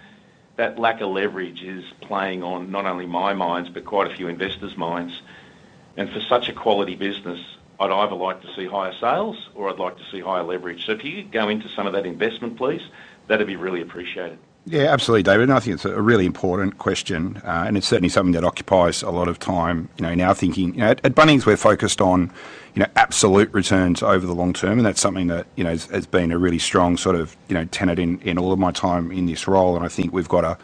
that lack of leverage is playing on not only my mind, but quite a few investors' minds. For such a quality business, I'd either like to see higher sales or I'd like to see higher leverage. If you could go into some of that investment, please, that'd be really appreciated.
Yeah, absolutely, David. I think it's a really important question, and it's certainly something that occupies a lot of time. In our thinking, at Bunnings, we're focused on absolute returns over the long term. That's something that has been a really strong tenet in all of my time in this role. I think we've got an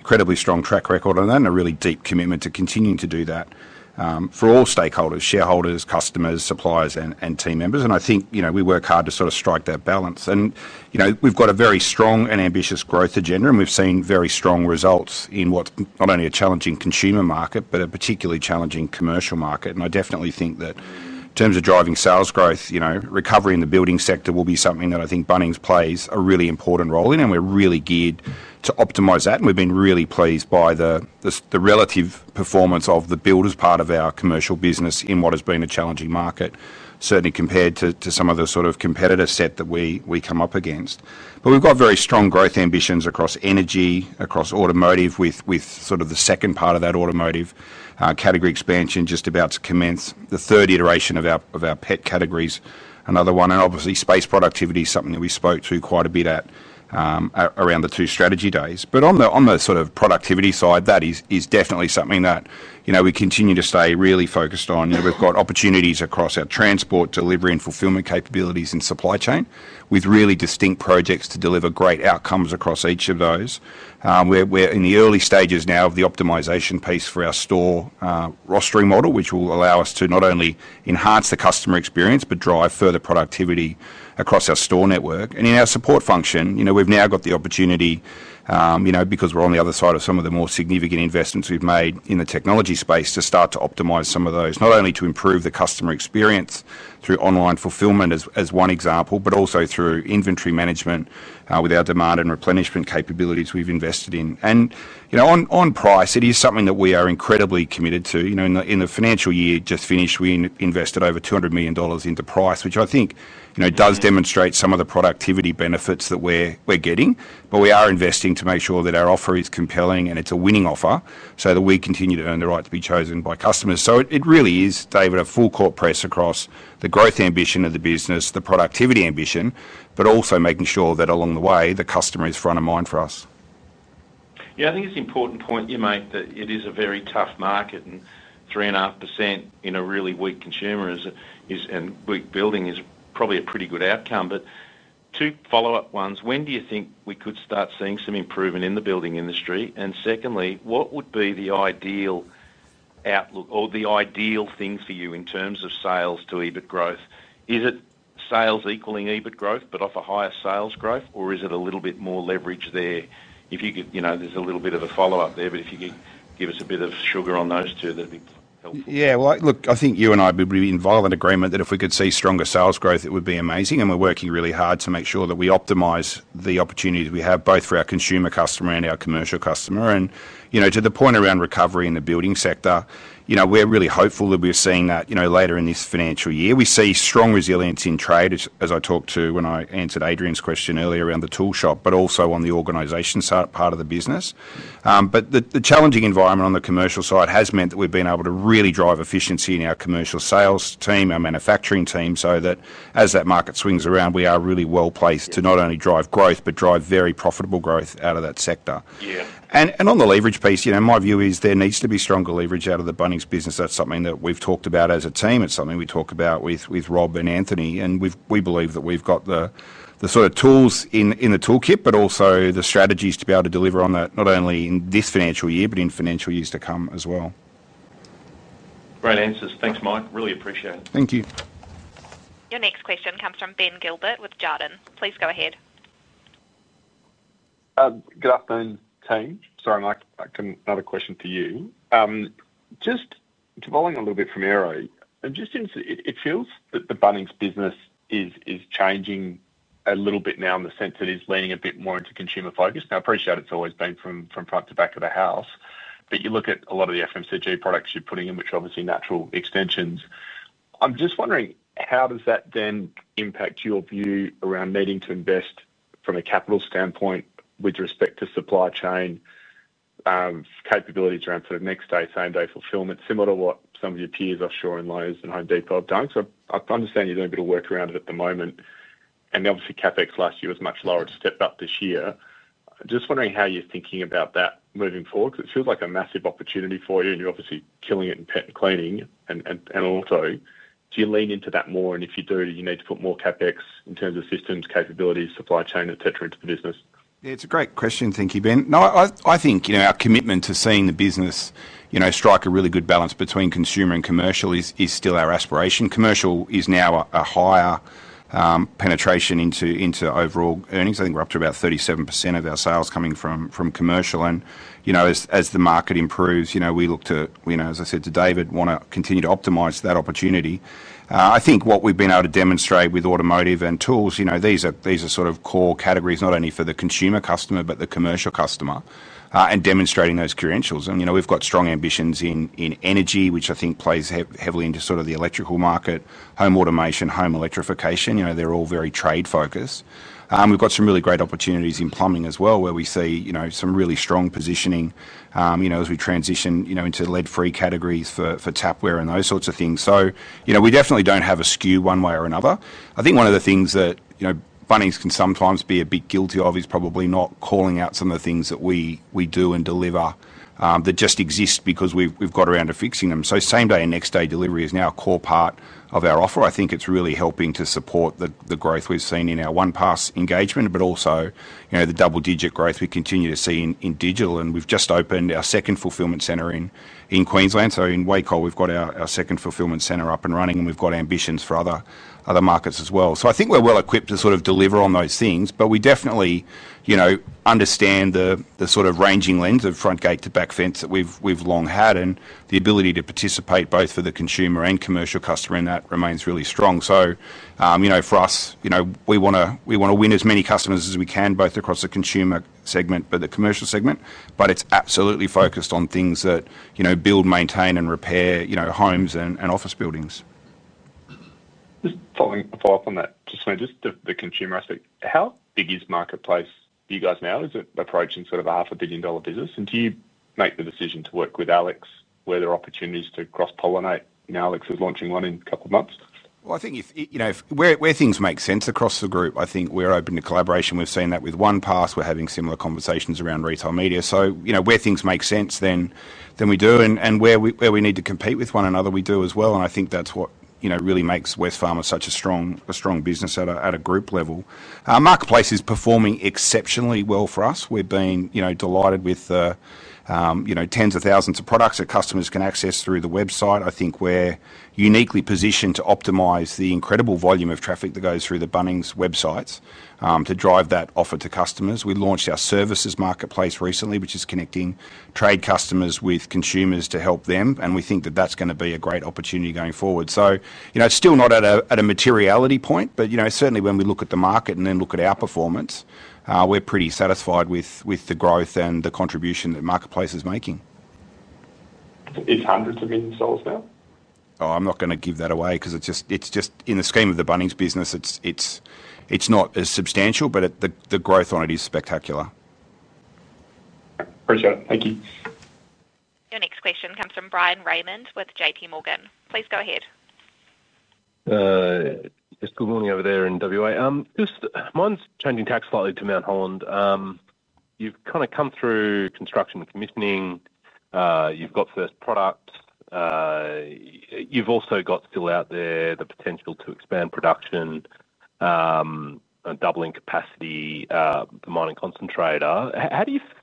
incredibly strong track record on that and a really deep commitment to continuing to do that for all stakeholders, shareholders, customers, suppliers, and team members. I think we work hard to strike that balance. We've got a very strong and ambitious growth agenda, and we've seen very strong results in what's not only a challenging consumer market, but a particularly challenging commercial market. I definitely think that in terms of driving sales growth, recovery in the building sector will be something that I think Bunnings plays a really important role in. We're really geared to optimize that. We've been really pleased by the relative performance of the builders' part of our commercial business in what has been a challenging market, certainly compared to some of the competitor set that we come up against. We've got very strong growth ambitions across energy, across automotive, with the second part of that automotive category expansion just about to commence, the third iteration of our pet categories, another one. Obviously, space productivity is something that we spoke to quite a bit at around the two strategy days. On the productivity side, that is definitely something that we continue to stay really focused on. We've got opportunities across our transport, delivery, and fulfillment capabilities and supply chain with really distinct projects to deliver great outcomes across each of those. We're in the early stages now of the optimization piece for our store rostering model, which will allow us to not only enhance the customer experience, but drive further productivity across our store network. In our support function, we've now got the opportunity, because we're on the other side of some of the more significant investments we've made in the technology space, to start to optimize some of those, not only to improve the customer experience through online fulfillment as one example, but also through inventory management with our demand and replenishment capabilities we've invested in. On price, it is something that we are incredibly committed to. In the financial year just finished, we invested over 200 million dollars into price, which I think does demonstrate some of the productivity benefits that we're getting. We are investing to make sure that our offer is compelling and it's a winning offer so that we continue to earn the right to be chosen by customers. It really is, David, a full court press across the growth ambition of the business, the productivity ambition, but also making sure that along the way, the customer is front of mind for us.
Yeah, I think it's an important point you make that it is a very tough market. Three and a half percent in a really weak consumer and weak building is probably a pretty good outcome. Two follow-up ones. When do you think we could start seeing some improvement in the building industry? Secondly, what would be the ideal outlook or the ideal thing for you in terms of sales to EBIT growth? Is it sales equaling EBIT growth, but offer higher sales growth, or is it a little bit more leverage there? If you could, you know, there's a little bit of a follow-up there, but if you could give us a bit of sugar on those two, that'd be helpful.
Yeah, look, I think you and I would be in violent agreement that if we could see stronger sales growth, it would be amazing. We're working really hard to make sure that we optimize the opportunities we have both for our consumer customer and our commercial customer. To the point around recovery in the building sector, we're really hopeful that we're seeing that later in this financial year. We see strong resilience in trade, as I talked to when I answered Adrian's question earlier around the tool shop, but also on the organization part of the business. The challenging environment on the commercial side has meant that we've been able to really drive efficiency in our commercial sales team, our manufacturing team, so that as that market swings around, we are really well placed to not only drive growth, but drive very profitable growth out of that sector.
Yeah.
On the leverage piece, you know, my view is there needs to be stronger leverage out of the Bunnings business. That is something that we've talked about as a team. It is something we talk about with Rob and Anthony. We believe that we've got the sort of tools in the toolkit, but also the strategies to be able to deliver on that not only in this financial year, but in financial years to come as well.
Great answers. Thanks, Mike. Really appreciate it.
Thank you.
Your next question comes from Ben Gilbert with Jarden. Please go ahead.
Good afternoon, team. Sorry, Mike, I've got another question for you. Just following a little bit from [Eero], I'm just interested, it feels that the Bunnings business is changing a little bit now in the sense that it is leaning a bit more into consumer focus. Now, I appreciate it's always been from front to back of the house, but you look at a lot of the FMCG products you're putting in, which are obviously natural extensions. I'm just wondering, how does that then impact your view around needing to invest from a capital standpoint with respect to supply chain capabilities around sort of next day, same-day fulfilment, similar to what some of your peers offshore and Lowe's and Home Depot have done? I understand you're doing a bit of work around it at the moment. Obviously, CapEx last year was much lower, it's stepped up this year. Just wondering how you're thinking about that moving forward, because it feels like a massive opportunity for you, and you're obviously killing it in pet and cleaning. Also, do you lean into that more? If you do, do you need to put more CapEx in terms of systems, capabilities, supply chain, etc., into the business?
Yeah, it's a great question. Thank you, Ben. No, I think our commitment to seeing the business strike a really good balance between consumer and commercial is still our aspiration. Commercial is now a higher penetration into overall earnings. I think we're up to about 37% of our sales coming from commercial. As the market improves, we look to, as I said to David, want to continue to optimise that opportunity. I think what we've been able to demonstrate with automotive and tools, these are sort of core categories, not only for the consumer customer, but the commercial customer, and demonstrating those credentials. We've got strong ambitions in energy, which I think plays heavily into the electrical market, home automation, home electrification. They're all very trade-focused. We've got some really great opportunities in plumbing as well, where we see some really strong positioning as we transition into lead-free categories for tapware and those sorts of things. We definitely don't have a skew one way or another. I think one of the things that Bunnings can sometimes be a bit guilty of is probably not calling out some of the things that we do and deliver that just exist because we've got around to fixing them. Same-day and next-day delivery is now a core part of our offer. I think it's really helping to support the growth we've seen in our one-pass engagement, but also the double-digit growth we continue to see in digital. We've just opened our second fulfilment centre in Queensland. In Waco, we've got our second fulfilment centre up and running, and we've got ambitions for other markets as well. I think we're well equipped to deliver on those things, but we definitely understand the sort of ranging lens of front gate to back fence that we've long had, and the ability to participate both for the consumer and commercial customer, and that remains really strong. For us, we want to win as many customers as we can, both across the consumer segment, but the commercial segment. It's absolutely focused on things that build, maintain, and repair homes and office buildings.
Following up on that, just the consumer aspect, how big is the marketplace for you guys now? Is it approaching sort of a 500 million dollar business? Do you make the decision to work with Aleks? Where are there opportunities to cross-pollinate? You know, Aleks is launching one in a couple of months.
If, you know, where things make sense across the group, I think we're open to collaboration. We've seen that with OnePass. We're having similar conversations around retail media. You know, where things make sense, then we do. Where we need to compete with one another, we do as well. I think that's what really makes Wesfarmers such a strong business at a group level. Our marketplace is performing exceptionally well for us. We've been delighted with the tens of thousands of products that customers can access through the website. I think we're uniquely positioned to optimize the incredible volume of traffic that goes through the Bunnings websites to drive that offer to customers. We launched our services marketplace recently, which is connecting trade customers with consumers to help them. We think that that's going to be a great opportunity going forward. It's still not at a materiality point, but certainly when we look at the market and then look at our performance, we're pretty satisfied with the growth and the contribution that the marketplace is making.
It's hundreds of millions sales now?
Oh, I'm not going to give that away because it's just in the scheme of the Bunnings business, it's not as substantial, but the growth on it is spectacular.
Appreciate it. Thank you.
Your next question comes from Bryan Raymond with JPMorgan. Please go ahead.
Just googling over there in WA. Just, mine's changing tack slightly to Mount Holland. You've kind of come through construction and commissioning. You've got first product. You've also got still out there the potential to expand production, doubling capacity, the mining concentrator.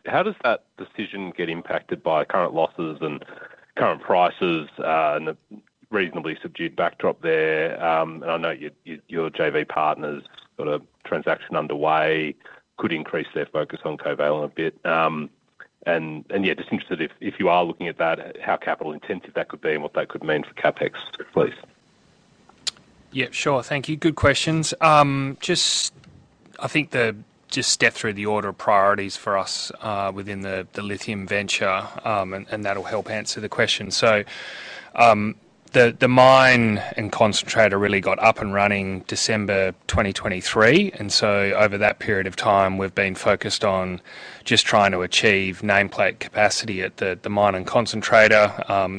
How does that decision get impacted by current losses and current prices and a reasonably subdued backdrop there? I know your JV partner's got a transaction underway, could increase their focus on Covalent a bit. I'm just interested if you are looking at that, how capital intensive that could be and what that could mean for CapEx, please.
Yeah, sure. Thank you. Good questions. I think to just step through the order of priorities for us within the lithium venture, and that'll help answer the question. The mine and concentrator really got up and running December 2023. Over that period of time, we've been focused on just trying to achieve nameplate capacity at the mine and concentrator.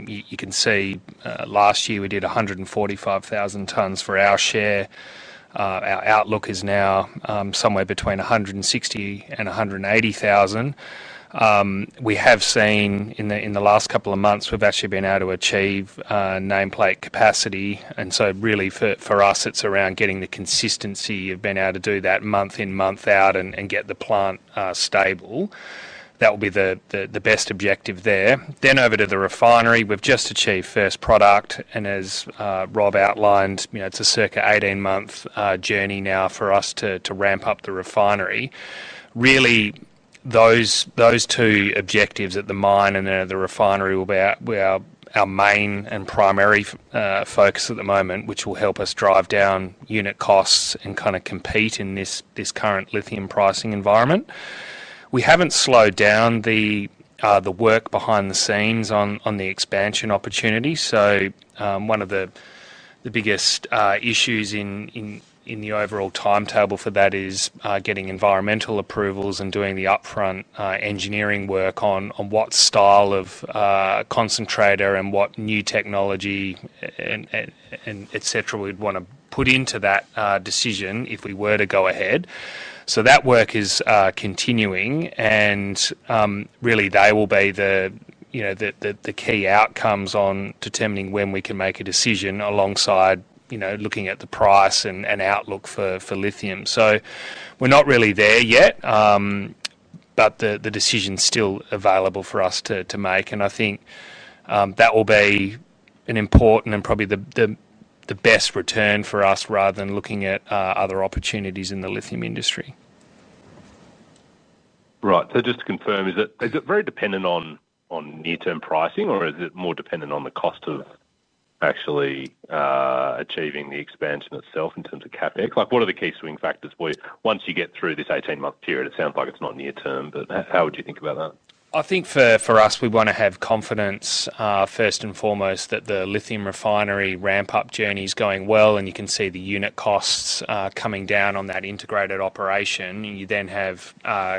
You can see last year we did 145,000 tons for our share. Our outlook is now somewhere between 160,000 and 180,000. We have seen in the last couple of months, we've actually been able to achieve nameplate capacity. For us, it's around getting the consistency of being able to do that month in, month out, and get the plant stable. That will be the best objective there. Over to the refinery, we've just achieved first product. As Rob outlined, it's a circa 18-month journey now for us to ramp up the refinery. Those two objectives at the mine and the refinery will be our main and primary focus at the moment, which will help us drive down unit costs and kind of compete in this current lithium pricing environment. We haven't slowed down the work behind the scenes on the expansion opportunity. One of the biggest issues in the overall timetable for that is getting environmental approvals and doing the upfront engineering work on what style of concentrator and what new technology, etc., we'd want to put into that decision if we were to go ahead. That work is continuing. They will be the key outcomes on determining when we can make a decision alongside looking at the price and outlook for lithium. We're not really there yet, but the decision is still available for us to make. I think that will be an important and probably the best return for us rather than looking at other opportunities in the lithium industry.
Right. Just to confirm, is it very dependent on near-term pricing, or is it more dependent on the cost of actually achieving the expansion itself in terms of CapEx? What are the key swing factors? Once you get through this 18-month period, it sounds like it's not near-term, but how would you think about that?
I think for us, we want to have confidence, first and foremost, that the lithium refinery ramp-up journey is going well, and you can see the unit costs coming down on that integrated operation. You then have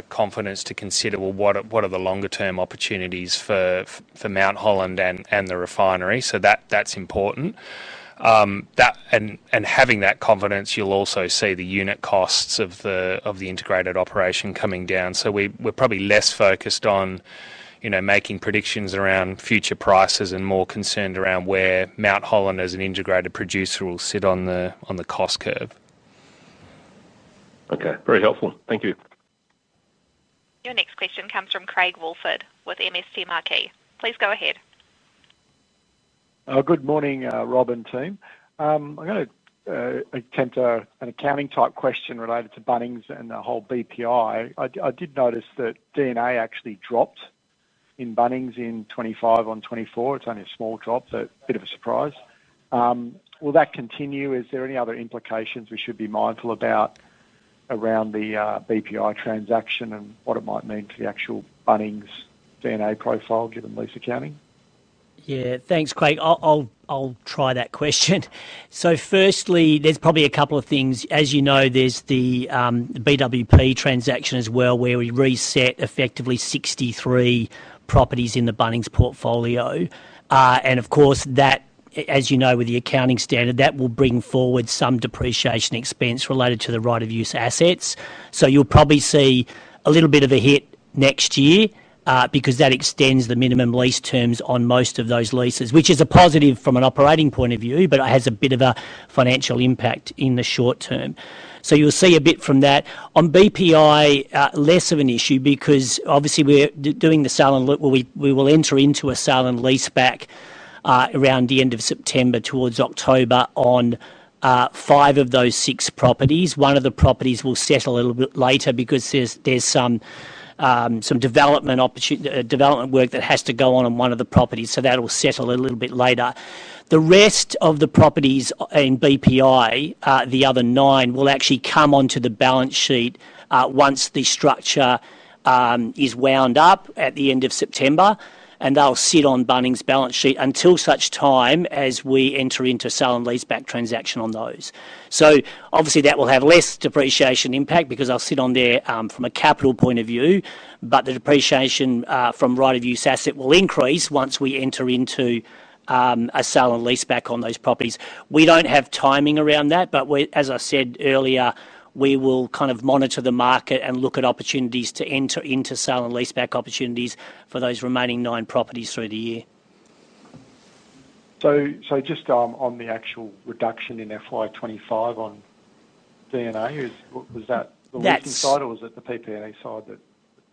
confidence to consider what are the longer-term opportunities for Mount Holland and the refinery. That's important. Having that confidence, you'll also see the unit costs of the integrated operation coming down. We're probably less focused on making predictions around future prices and more concerned around where Mount Holland as an integrated producer will sit on the cost curve.
Okay, very helpful. Thank you.
Your next question comes from Craig Woolford with MST Marquee. Please go ahead.
Good morning, Rob and team. I'm going to attempt an accounting type question related to Bunnings and the whole BPI. I did notice that D&A actually dropped in Bunnings in 2025 on 2024. It's only a small drop, but a bit of a surprise. Will that continue? Is there any other implications we should be mindful about around the BPI transaction and what it might mean to the actual Bunnings D&A profile given lease accounting?
Yeah, thanks, Craig. I'll try that question. Firstly, there's probably a couple of things. As you know, there's the BWP transaction as well, where we reset effectively 63 properties in the Bunnings portfolio. Of course, that, as you know, with the accounting standard, will bring forward some depreciation expense related to the right of use assets. You'll probably see a little bit of a hit next year because that extends the minimum lease terms on most of those leases, which is a positive from an operating point of view, but it has a bit of a financial impact in the short term. You'll see a bit from that. On BPI, less of an issue because obviously we're doing the sale and, look, we will enter into a sale and lease back around the end of September towards October on five of those six properties. One of the properties will settle a little bit later because there's some development work that has to go on on one of the properties. That will settle a little bit later. The rest of the properties in BPI, the other nine, will actually come onto the balance sheet once the structure is wound up at the end of September. They'll sit on Bunnings' balance sheet until such time as we enter into a sale and lease back transaction on those. That will have less depreciation impact because they'll sit on there from a capital point of view, but the depreciation from right of use assets will increase once we enter into a sale and lease back on those properties. We don't have timing around that, but as I said earlier, we will kind of monitor the market and look at opportunities to enter into sale and lease back opportunities for those remaining nine properties through the year.
On the actual reduction in FY 2025 on D&A, was that the leasing side, or was it the PP&A side that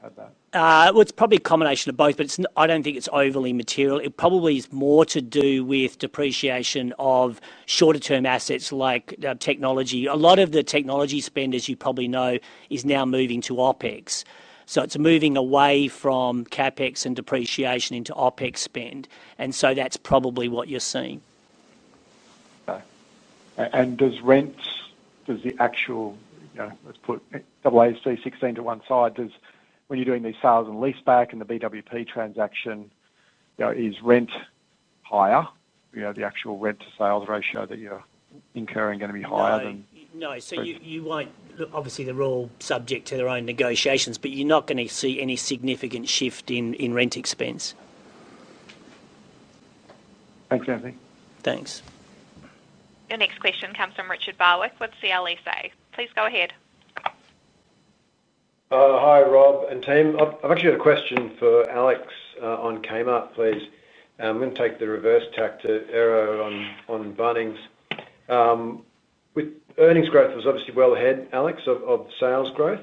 had that?
It is probably a combination of both, but I don't think it's overly material. It probably is more to do with depreciation of shorter-term assets like technology. A lot of the technology spend, as you probably know, is now moving to OpEx. It's moving away from CapEx and depreciation into OpEx spend. That's probably what you're seeing.
Okay. Does rent, does the actual, you know, let's put AAC16 to one side, when you're doing these sales and lease back and the BWP transaction, is rent higher? The actual rent to sales ratio that you're incurring, is that going to be higher than?
No, you won't, obviously, they're all subject to their own negotiations, but you're not going to see any significant shift in rent expense.
Thanks, Anthony.
Thanks.
Your next question comes from Richard Barwick with CLSA. Please go ahead.
Hi, Rob and team. I've actually got a question for Aleks on Kmart, please. I'm going to take the reverse tack to Ero on Bunnings. With earnings growth, it was obviously well ahead, Aleks, of sales growth.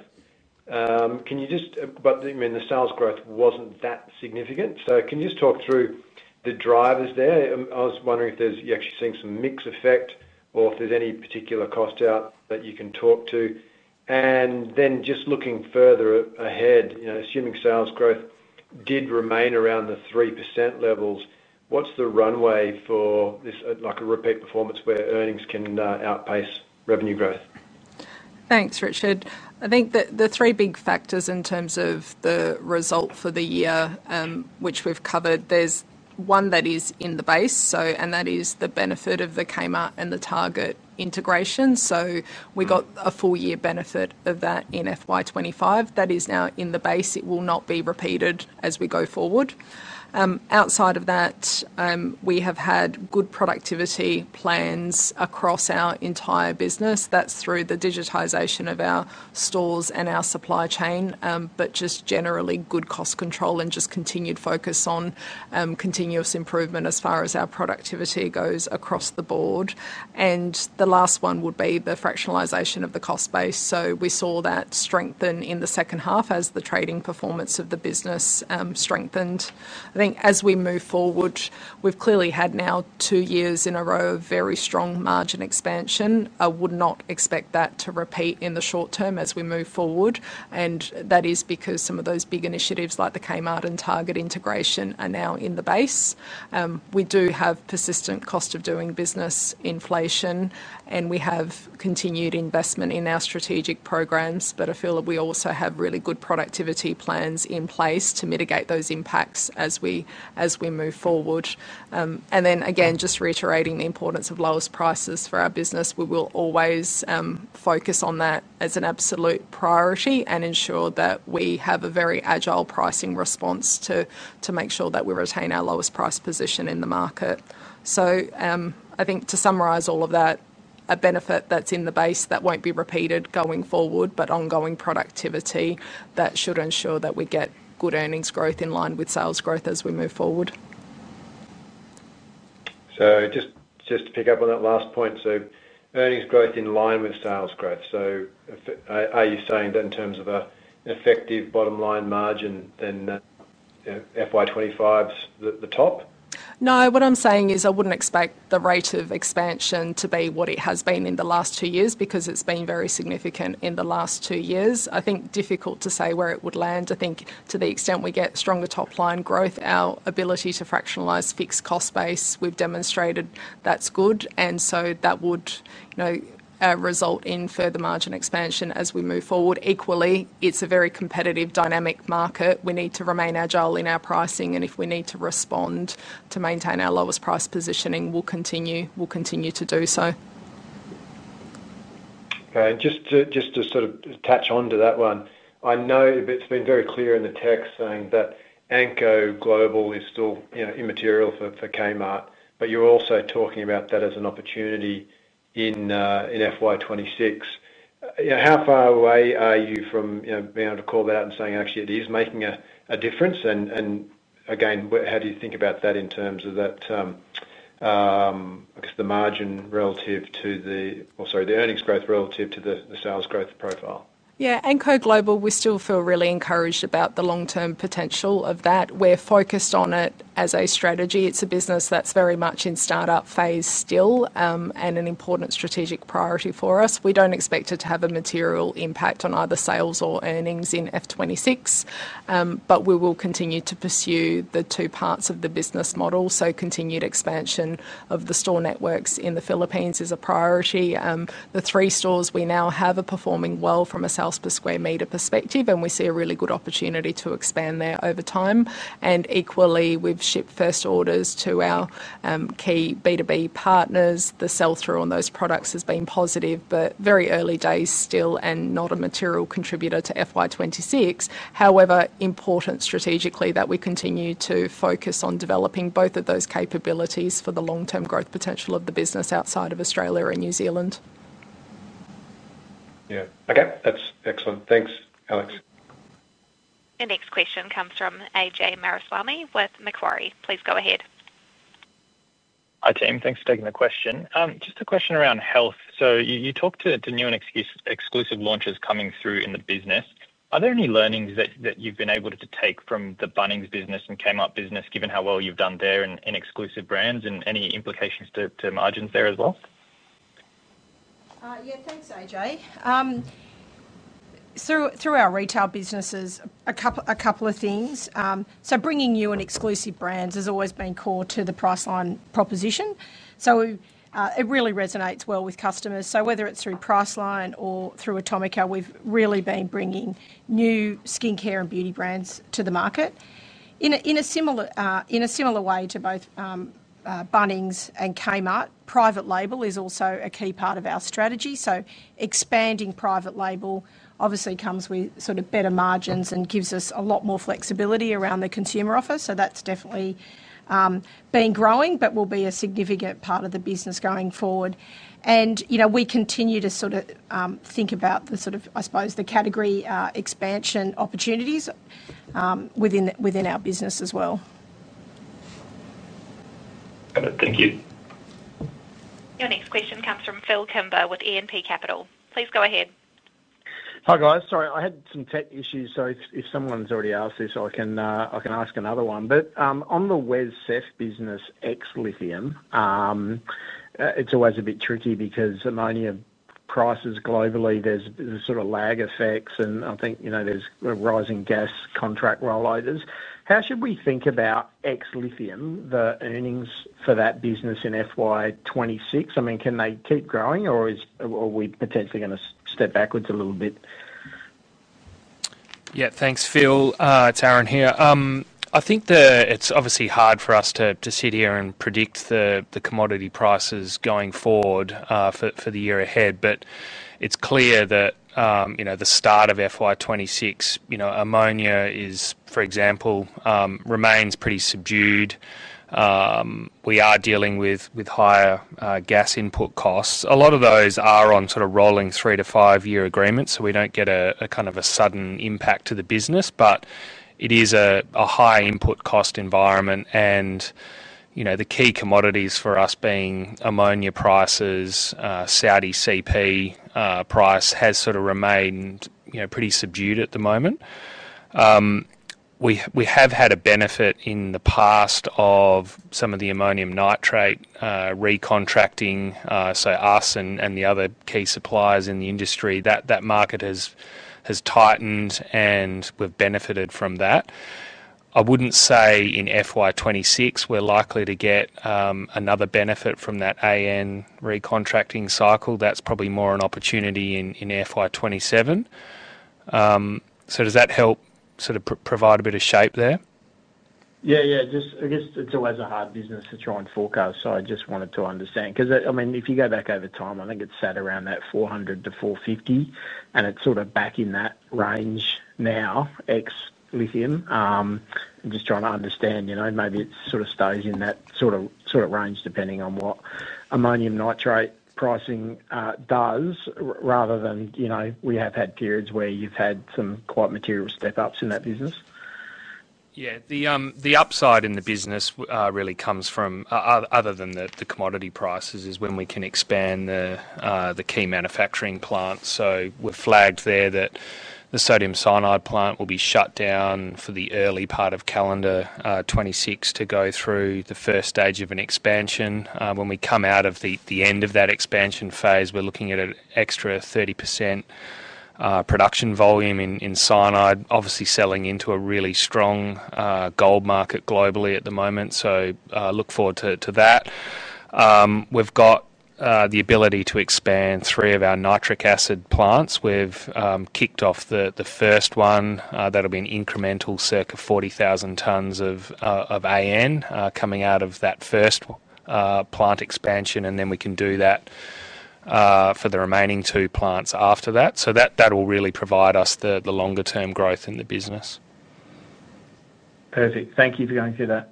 Can you just, I mean, the sales growth wasn't that significant. Can you just talk through the drivers there? I was wondering if you're actually seeing some mix effect or if there's any particular cost out that you can talk to. Just looking further ahead, you know, assuming sales growth did remain around the 3% levels, what's the runway for this, like a repeat performance where earnings can outpace revenue growth?
Thanks, Richard. I think that the three big factors in terms of the result for the year, which we've covered, there's one that is in the base, and that is the benefit of the Kmart and the Target integration. We got a full year benefit of that in FY 2025. That is now in the base. It will not be repeated as we go forward. Outside of that, we have had good productivity plans across our entire business. That's through the digitization of our stores and our supply chain, but just generally good cost control and continued focus on continuous improvement as far as our productivity goes across the board. The last one would be the fractionalization of the cost base. We saw that strengthen in the second half as the trading performance of the business strengthened. I think as we move forward, we've clearly had now two years in a row of very strong margin expansion. I would not expect that to repeat in the short term as we move forward. That is because some of those big initiatives like the Kmart and Target integration are now in the base. We do have persistent cost of doing business inflation, and we have continued investment in our strategic programs, but I feel that we also have really good productivity plans in place to mitigate those impacts as we move forward. Again, just reiterating the importance of lowest prices for our business, we will always focus on that as an absolute priority and ensure that we have a very agile pricing response to make sure that we retain our lowest price position in the market. I think to summarize all of that, a benefit that's in the base that won't be repeated going forward, but ongoing productivity that should ensure that we get good earnings growth in line with sales growth as we move forward.
Just to pick up on that last point, earnings growth in line with sales growth. Are you saying that in terms of an effective bottom line margin, then that FY 2025 is the top?
No, what I'm saying is I wouldn't expect the rate of expansion to be what it has been in the last two years, because it's been very significant in the last two years. I think it's difficult to say where it would land. I think to the extent we get stronger top line growth, our ability to fractionalize fixed cost base, we've demonstrated that's good, and that would result in further margin expansion as we move forward. Equally, it's a very competitive, dynamic market. We need to remain agile in our pricing, and if we need to respond to maintain our lowest price positioning, we'll continue to do so.
Okay, just to sort of touch on to that one, I know it's been very clear in the text saying that Anko Global is still, you know, immaterial for Kmart, but you're also talking about that as an opportunity in FY 2026. How far away are you from, you know, being able to call that and saying, actually, it is making a difference? Again, how do you think about that in terms of that, I guess, the margin relative to the, or sorry, the earnings growth relative to the sales growth profile?
Yeah, Anko Global, we still feel really encouraged about the long-term potential of that. We're focused on it as a strategy. It's a business that's very much in startup phase still and an important strategic priority for us. We don't expect it to have a material impact on either sales or earnings in FY 2026, but we will continue to pursue the two parts of the business model. Continued expansion of the store networks in the Philippines is a priority. The three stores we now have are performing well from a sales per square meter perspective, and we see a really good opportunity to expand there over time. Equally, we've shipped first orders to our key B2B partners. The sell-through on those products has been positive, but very early days still and not a material contributor to FY 2026. However, important strategically that we continue to focus on developing both of those capabilities for the long-term growth potential of the business outside of Australia and New Zealand.
Yeah, okay, that's excellent. Thanks, Aleks.
Your next question comes from Ajay Mariswamy with Macquarie. Please go ahead.
Hi team, thanks for taking the question. Just a question around Health. You talked to new and exclusive launches coming through in the business. Are there any learnings that you've been able to take from the Bunnings business and Kmart business, given how well you've done there in exclusive brands, and any implications to margins there as well?
Yeah, thanks Ajay. Through our retail businesses, a couple of things. Bringing new and exclusive brands has always been core to the Priceline proposition. It really resonates well with customers. Whether it's through Priceline or through Atomica, we've really been bringing new skincare and beauty brands to the market. In a similar way to both Bunnings and Kmart, private label is also a key part of our strategy. Expanding private label obviously comes with better margins and gives us a lot more flexibility around the consumer offer. That's definitely been growing, and will be a significant part of the business going forward. We continue to think about the category expansion opportunities within our business as well.
Thank you.
Your next question comes from Phil Kimber with ENP Capital. Please go ahead.
Hi guys, sorry, I had some tech issues. If someone's already asked this, I can ask another one. On the WesCEF business, ex-Lithium, it's always a bit tricky because ammonia prices globally, there's a sort of lag effect, and I think, you know, there's a rising gas contract rollout. How should we think about ex-Lithium, the earnings for that business in FY 2026? I mean, can they keep growing, or are we potentially going to step backwards a little bit?
Yeah, thanks Phil, it's Aaron here. I think that it's obviously hard for us to sit here and predict the commodity prices going forward for the year ahead, but it's clear that, you know, the start of FY 2026, you know, ammonia is, for example, remains pretty subdued. We are dealing with higher gas input costs. A lot of those are on sort of rolling three to five-year agreements, so we don't get a kind of a sudden impact to the business, but it is a high input cost environment. The key commodities for us being ammonia prices, Saudi CP price has sort of remained, you know, pretty subdued at the moment. We have had a benefit in the past of some of the ammonium nitrate re-contracting, so us and the other key suppliers in the industry, that market has tightened and we've benefited from that. I wouldn't say in FY 2026, we're likely to get another benefit from that AN recontracting cycle. That's probably more an opportunity in FY 2027. Does that help sort of provide a bit of shape there?
Yeah, it's always a hard business to try and forecast. I just wanted to understand because, I mean, if you go back over time, I think it's sat around that 400 million-450 million and it's sort of back in that range now ex-lithium. I'm just trying to understand, you know, maybe it sort of stays in that range depending on what ammonium nitrate pricing does rather than, you know, we have had periods where you've had some quite material step ups in that business.
Yeah, the upside in the business really comes from, other than the commodity prices, when we can expand the key manufacturing plants. We've flagged there that the sodium cyanide plant will be shut down for the early part of calendar 2026 to go through the first stage of an expansion. When we come out of the end of that expansion phase, we're looking at an extra 30% production volume in cyanide, obviously selling into a really strong gold market globally at the moment. Look forward to that. We've got the ability to expand three of our nitric acid plants. We've kicked off the first one. That'll be an incremental circa 40,000 tons of AN coming out of that first plant expansion, and we can do that for the remaining two plants after that. That will really provide us the longer term growth in the business.
Perfect. Thank you for going through that.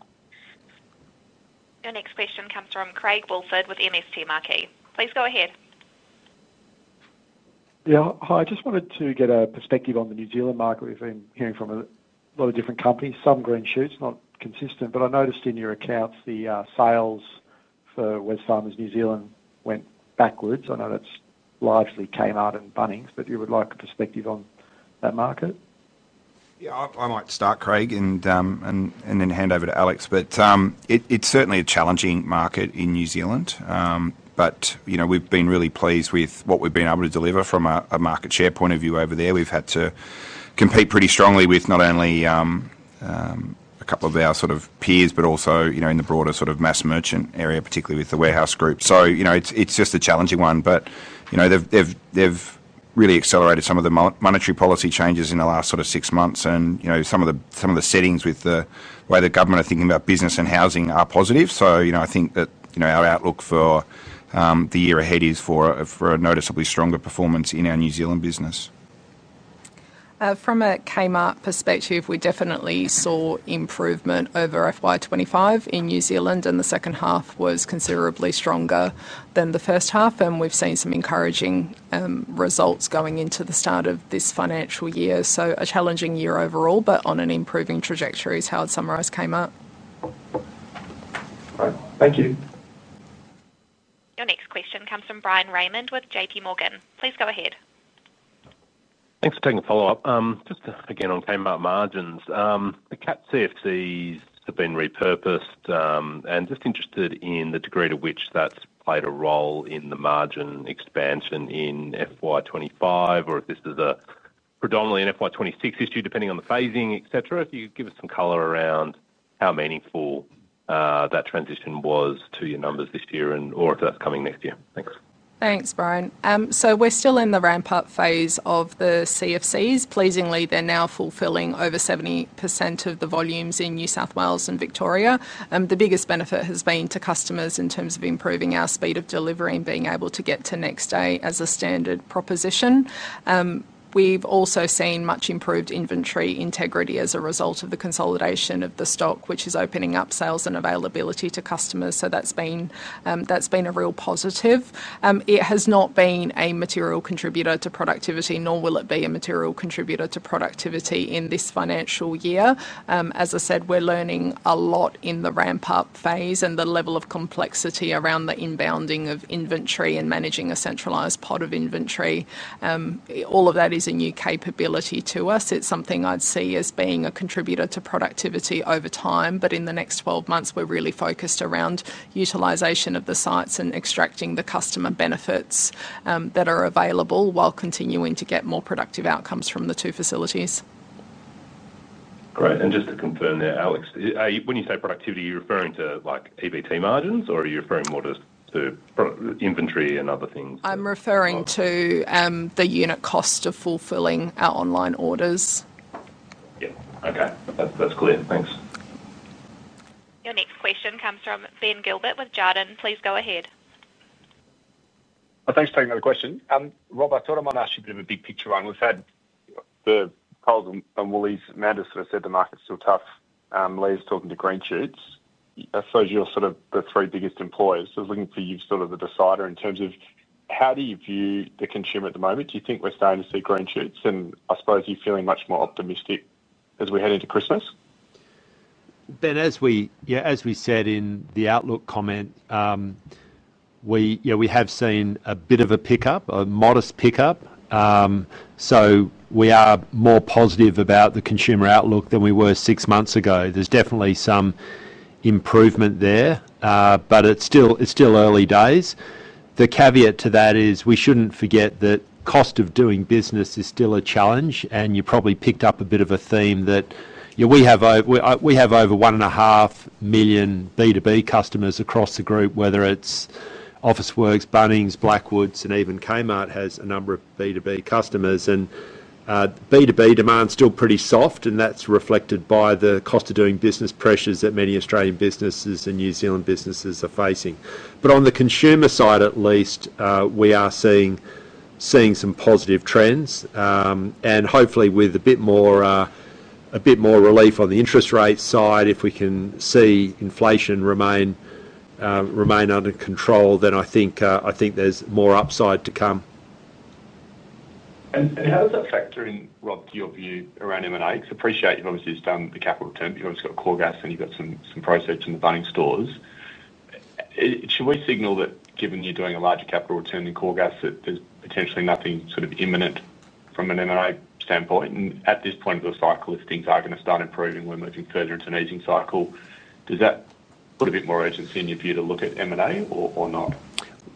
Your next question comes from Craig Woolford with MST Marquee. Please go ahead.
Yeah, hi. I just wanted to get a perspective on the New Zealand market. We've been hearing from a lot of different companies, some green shoots, not consistent, but I noticed in your accounts the sales for Wesfarmers New Zealand went backwards. I know that largely came out in Bunnings, but would like a perspective on that market?
Yeah, I might start, Craig, and then hand over to Aleks. It's certainly a challenging market in New Zealand. We've been really pleased with what we've been able to deliver from a market share point of view over there. We've had to compete pretty strongly with not only a couple of our sort of peers, but also in the broader sort of mass merchant area, particularly with the Warehouse Group. It's just a challenging one. They've really accelerated some of the monetary policy changes in the last six months. Some of the settings with the way the government are thinking about business and housing are positive. I think that our outlook for the year ahead is for a noticeably stronger performance in our New Zealand business.
From a Kmart perspective, we definitely saw improvement over FY 2025 in New Zealand, and the second half was considerably stronger than the first half. We've seen some encouraging results going into the start of this financial year. A challenging year overall, but on an improving trajectory is how I'd summarize Kmart.
Thank you.
Your next question comes from Bryan Raymond with JPMorgan. Please go ahead.
Thanks for taking a follow-up. Just again on Kmart margins, the Cap CFCs have been repurposed. I am just interested in the degree to which that's played a role in the margin expansion in FY 2025, or if this is predominantly an FY 2026 issue depending on the phasing, etc. If you could give us some color around how meaningful that transition was to your numbers this year and or if that's coming next year. Thanks.
Thanks, Bryan. We're still in the ramp-up phase of the CFCs. Pleasingly, they're now fulfilling over 70% of the volumes in New South Wales and Victoria. The biggest benefit has been to customers in terms of improving our speed of delivery and being able to get to next day as a standard proposition. We've also seen much improved inventory integrity as a result of the consolidation of the stock, which is opening up sales and availability to customers. That's been a real positive. It has not been a material contributor to productivity, nor will it be a material contributor to productivity in this financial year. As I said, we're learning a lot in the ramp-up phase and the level of complexity around the inbounding of inventory and managing a centralized pot of inventory. All of that is a new capability to us. It's something I'd see as being a contributor to productivity over time. In the next 12 months, we're really focused around utilization of the sites and extracting the customer benefits that are available while continuing to get more productive outcomes from the two facilities.
Great. Just to confirm there, Aleks, when you say productivity, are you referring to like EBIT margins or are you referring more to inventory and other things?
I'm referring to the unit cost of fulfilling our online orders.
Yeah, okay. That's clear. Thanks.
Your next question comes from Ben Gilbert with Jarden. Please go ahead.
Thanks for taking another question. Rob, I thought I might ask you to do a big picture one. We've had the polls and Woolies and Mount have sort of said the market's still tough. Lee's talking to green shoots. I suppose you're sort of the three biggest employers. I was looking for you, sort of the decider, in terms of how do you view the consumer at the moment? Do you think we're starting to see green shoots? I suppose you're feeling much more optimistic as we head into Christmas.
Ben, as we said in the outlook comment, we have seen a bit of a pickup, a modest pickup. We are more positive about the consumer outlook than we were six months ago. There's definitely some improvement there, but it's still early days. The caveat to that is we shouldn't forget that the cost of doing business is still a challenge. You probably picked up a bit of a theme that we have over 1.5 million B2B customers across the group, whether it's Officeworks, Bunnings, Blackwoods, and even Kmart has a number of B2B customers. B2B demand is still pretty soft, and that's reflected by the cost of doing business pressures that many Australian businesses and New Zealand businesses are facing. On the consumer side, at least, we are seeing some positive trends. Hopefully, with a bit more relief on the interest rate side, if we can see inflation remain under control, then I think there's more upside to come.
How does that factor in, Rob, to your view around M&A? I appreciate you've obviously done the capital return, but you've obviously got CoreGas and you've got some price edge in the Bunnings stores. Should we signal that given you're doing a larger capital return in CoreGas, that there's potentially nothing sort of imminent from an M&A standpoint? At this point of the cycle, if things are going to start improving, we're moving further into an easing cycle. Does that put a bit more urgency in your view to look at M&A or not?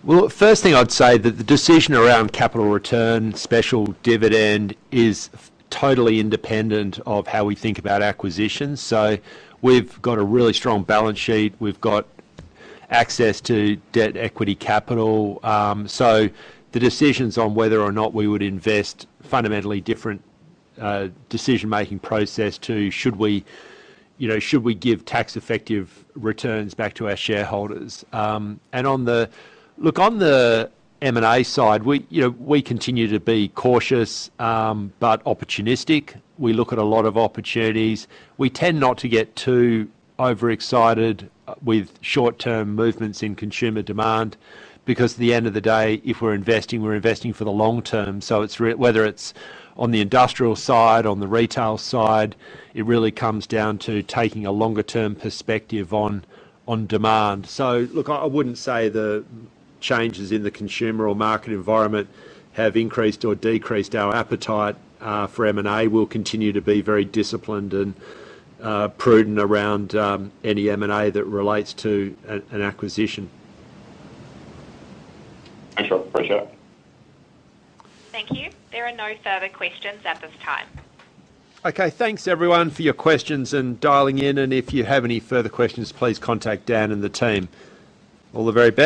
The first thing I'd say is that the decision around capital return, special dividend, is totally independent of how we think about acquisitions. We've got a really strong balance sheet. We've got access to debt equity capital. The decisions on whether or not we would invest are a fundamentally different decision-making process to should we, you know, give tax-effective returns back to our shareholders. On the M&A side, we continue to be cautious but opportunistic. We look at a lot of opportunities. We tend not to get too overexcited with short-term movements in consumer demand because at the end of the day, if we're investing, we're investing for the long term. Whether it's on the industrial side or on the retail side, it really comes down to taking a longer-term perspective on demand. I wouldn't say the changes in the consumer or market environment have increased or decreased our appetite for M&A. We'll continue to be very disciplined and prudent around any M&A that relates to an acquisition.
Thanks, Rob. Appreciate it.
Thank you. There are no further questions at this time.
Okay. Thanks, everyone, for your questions and dialing in. If you have any further questions, please contact Dan and the team. All the very best.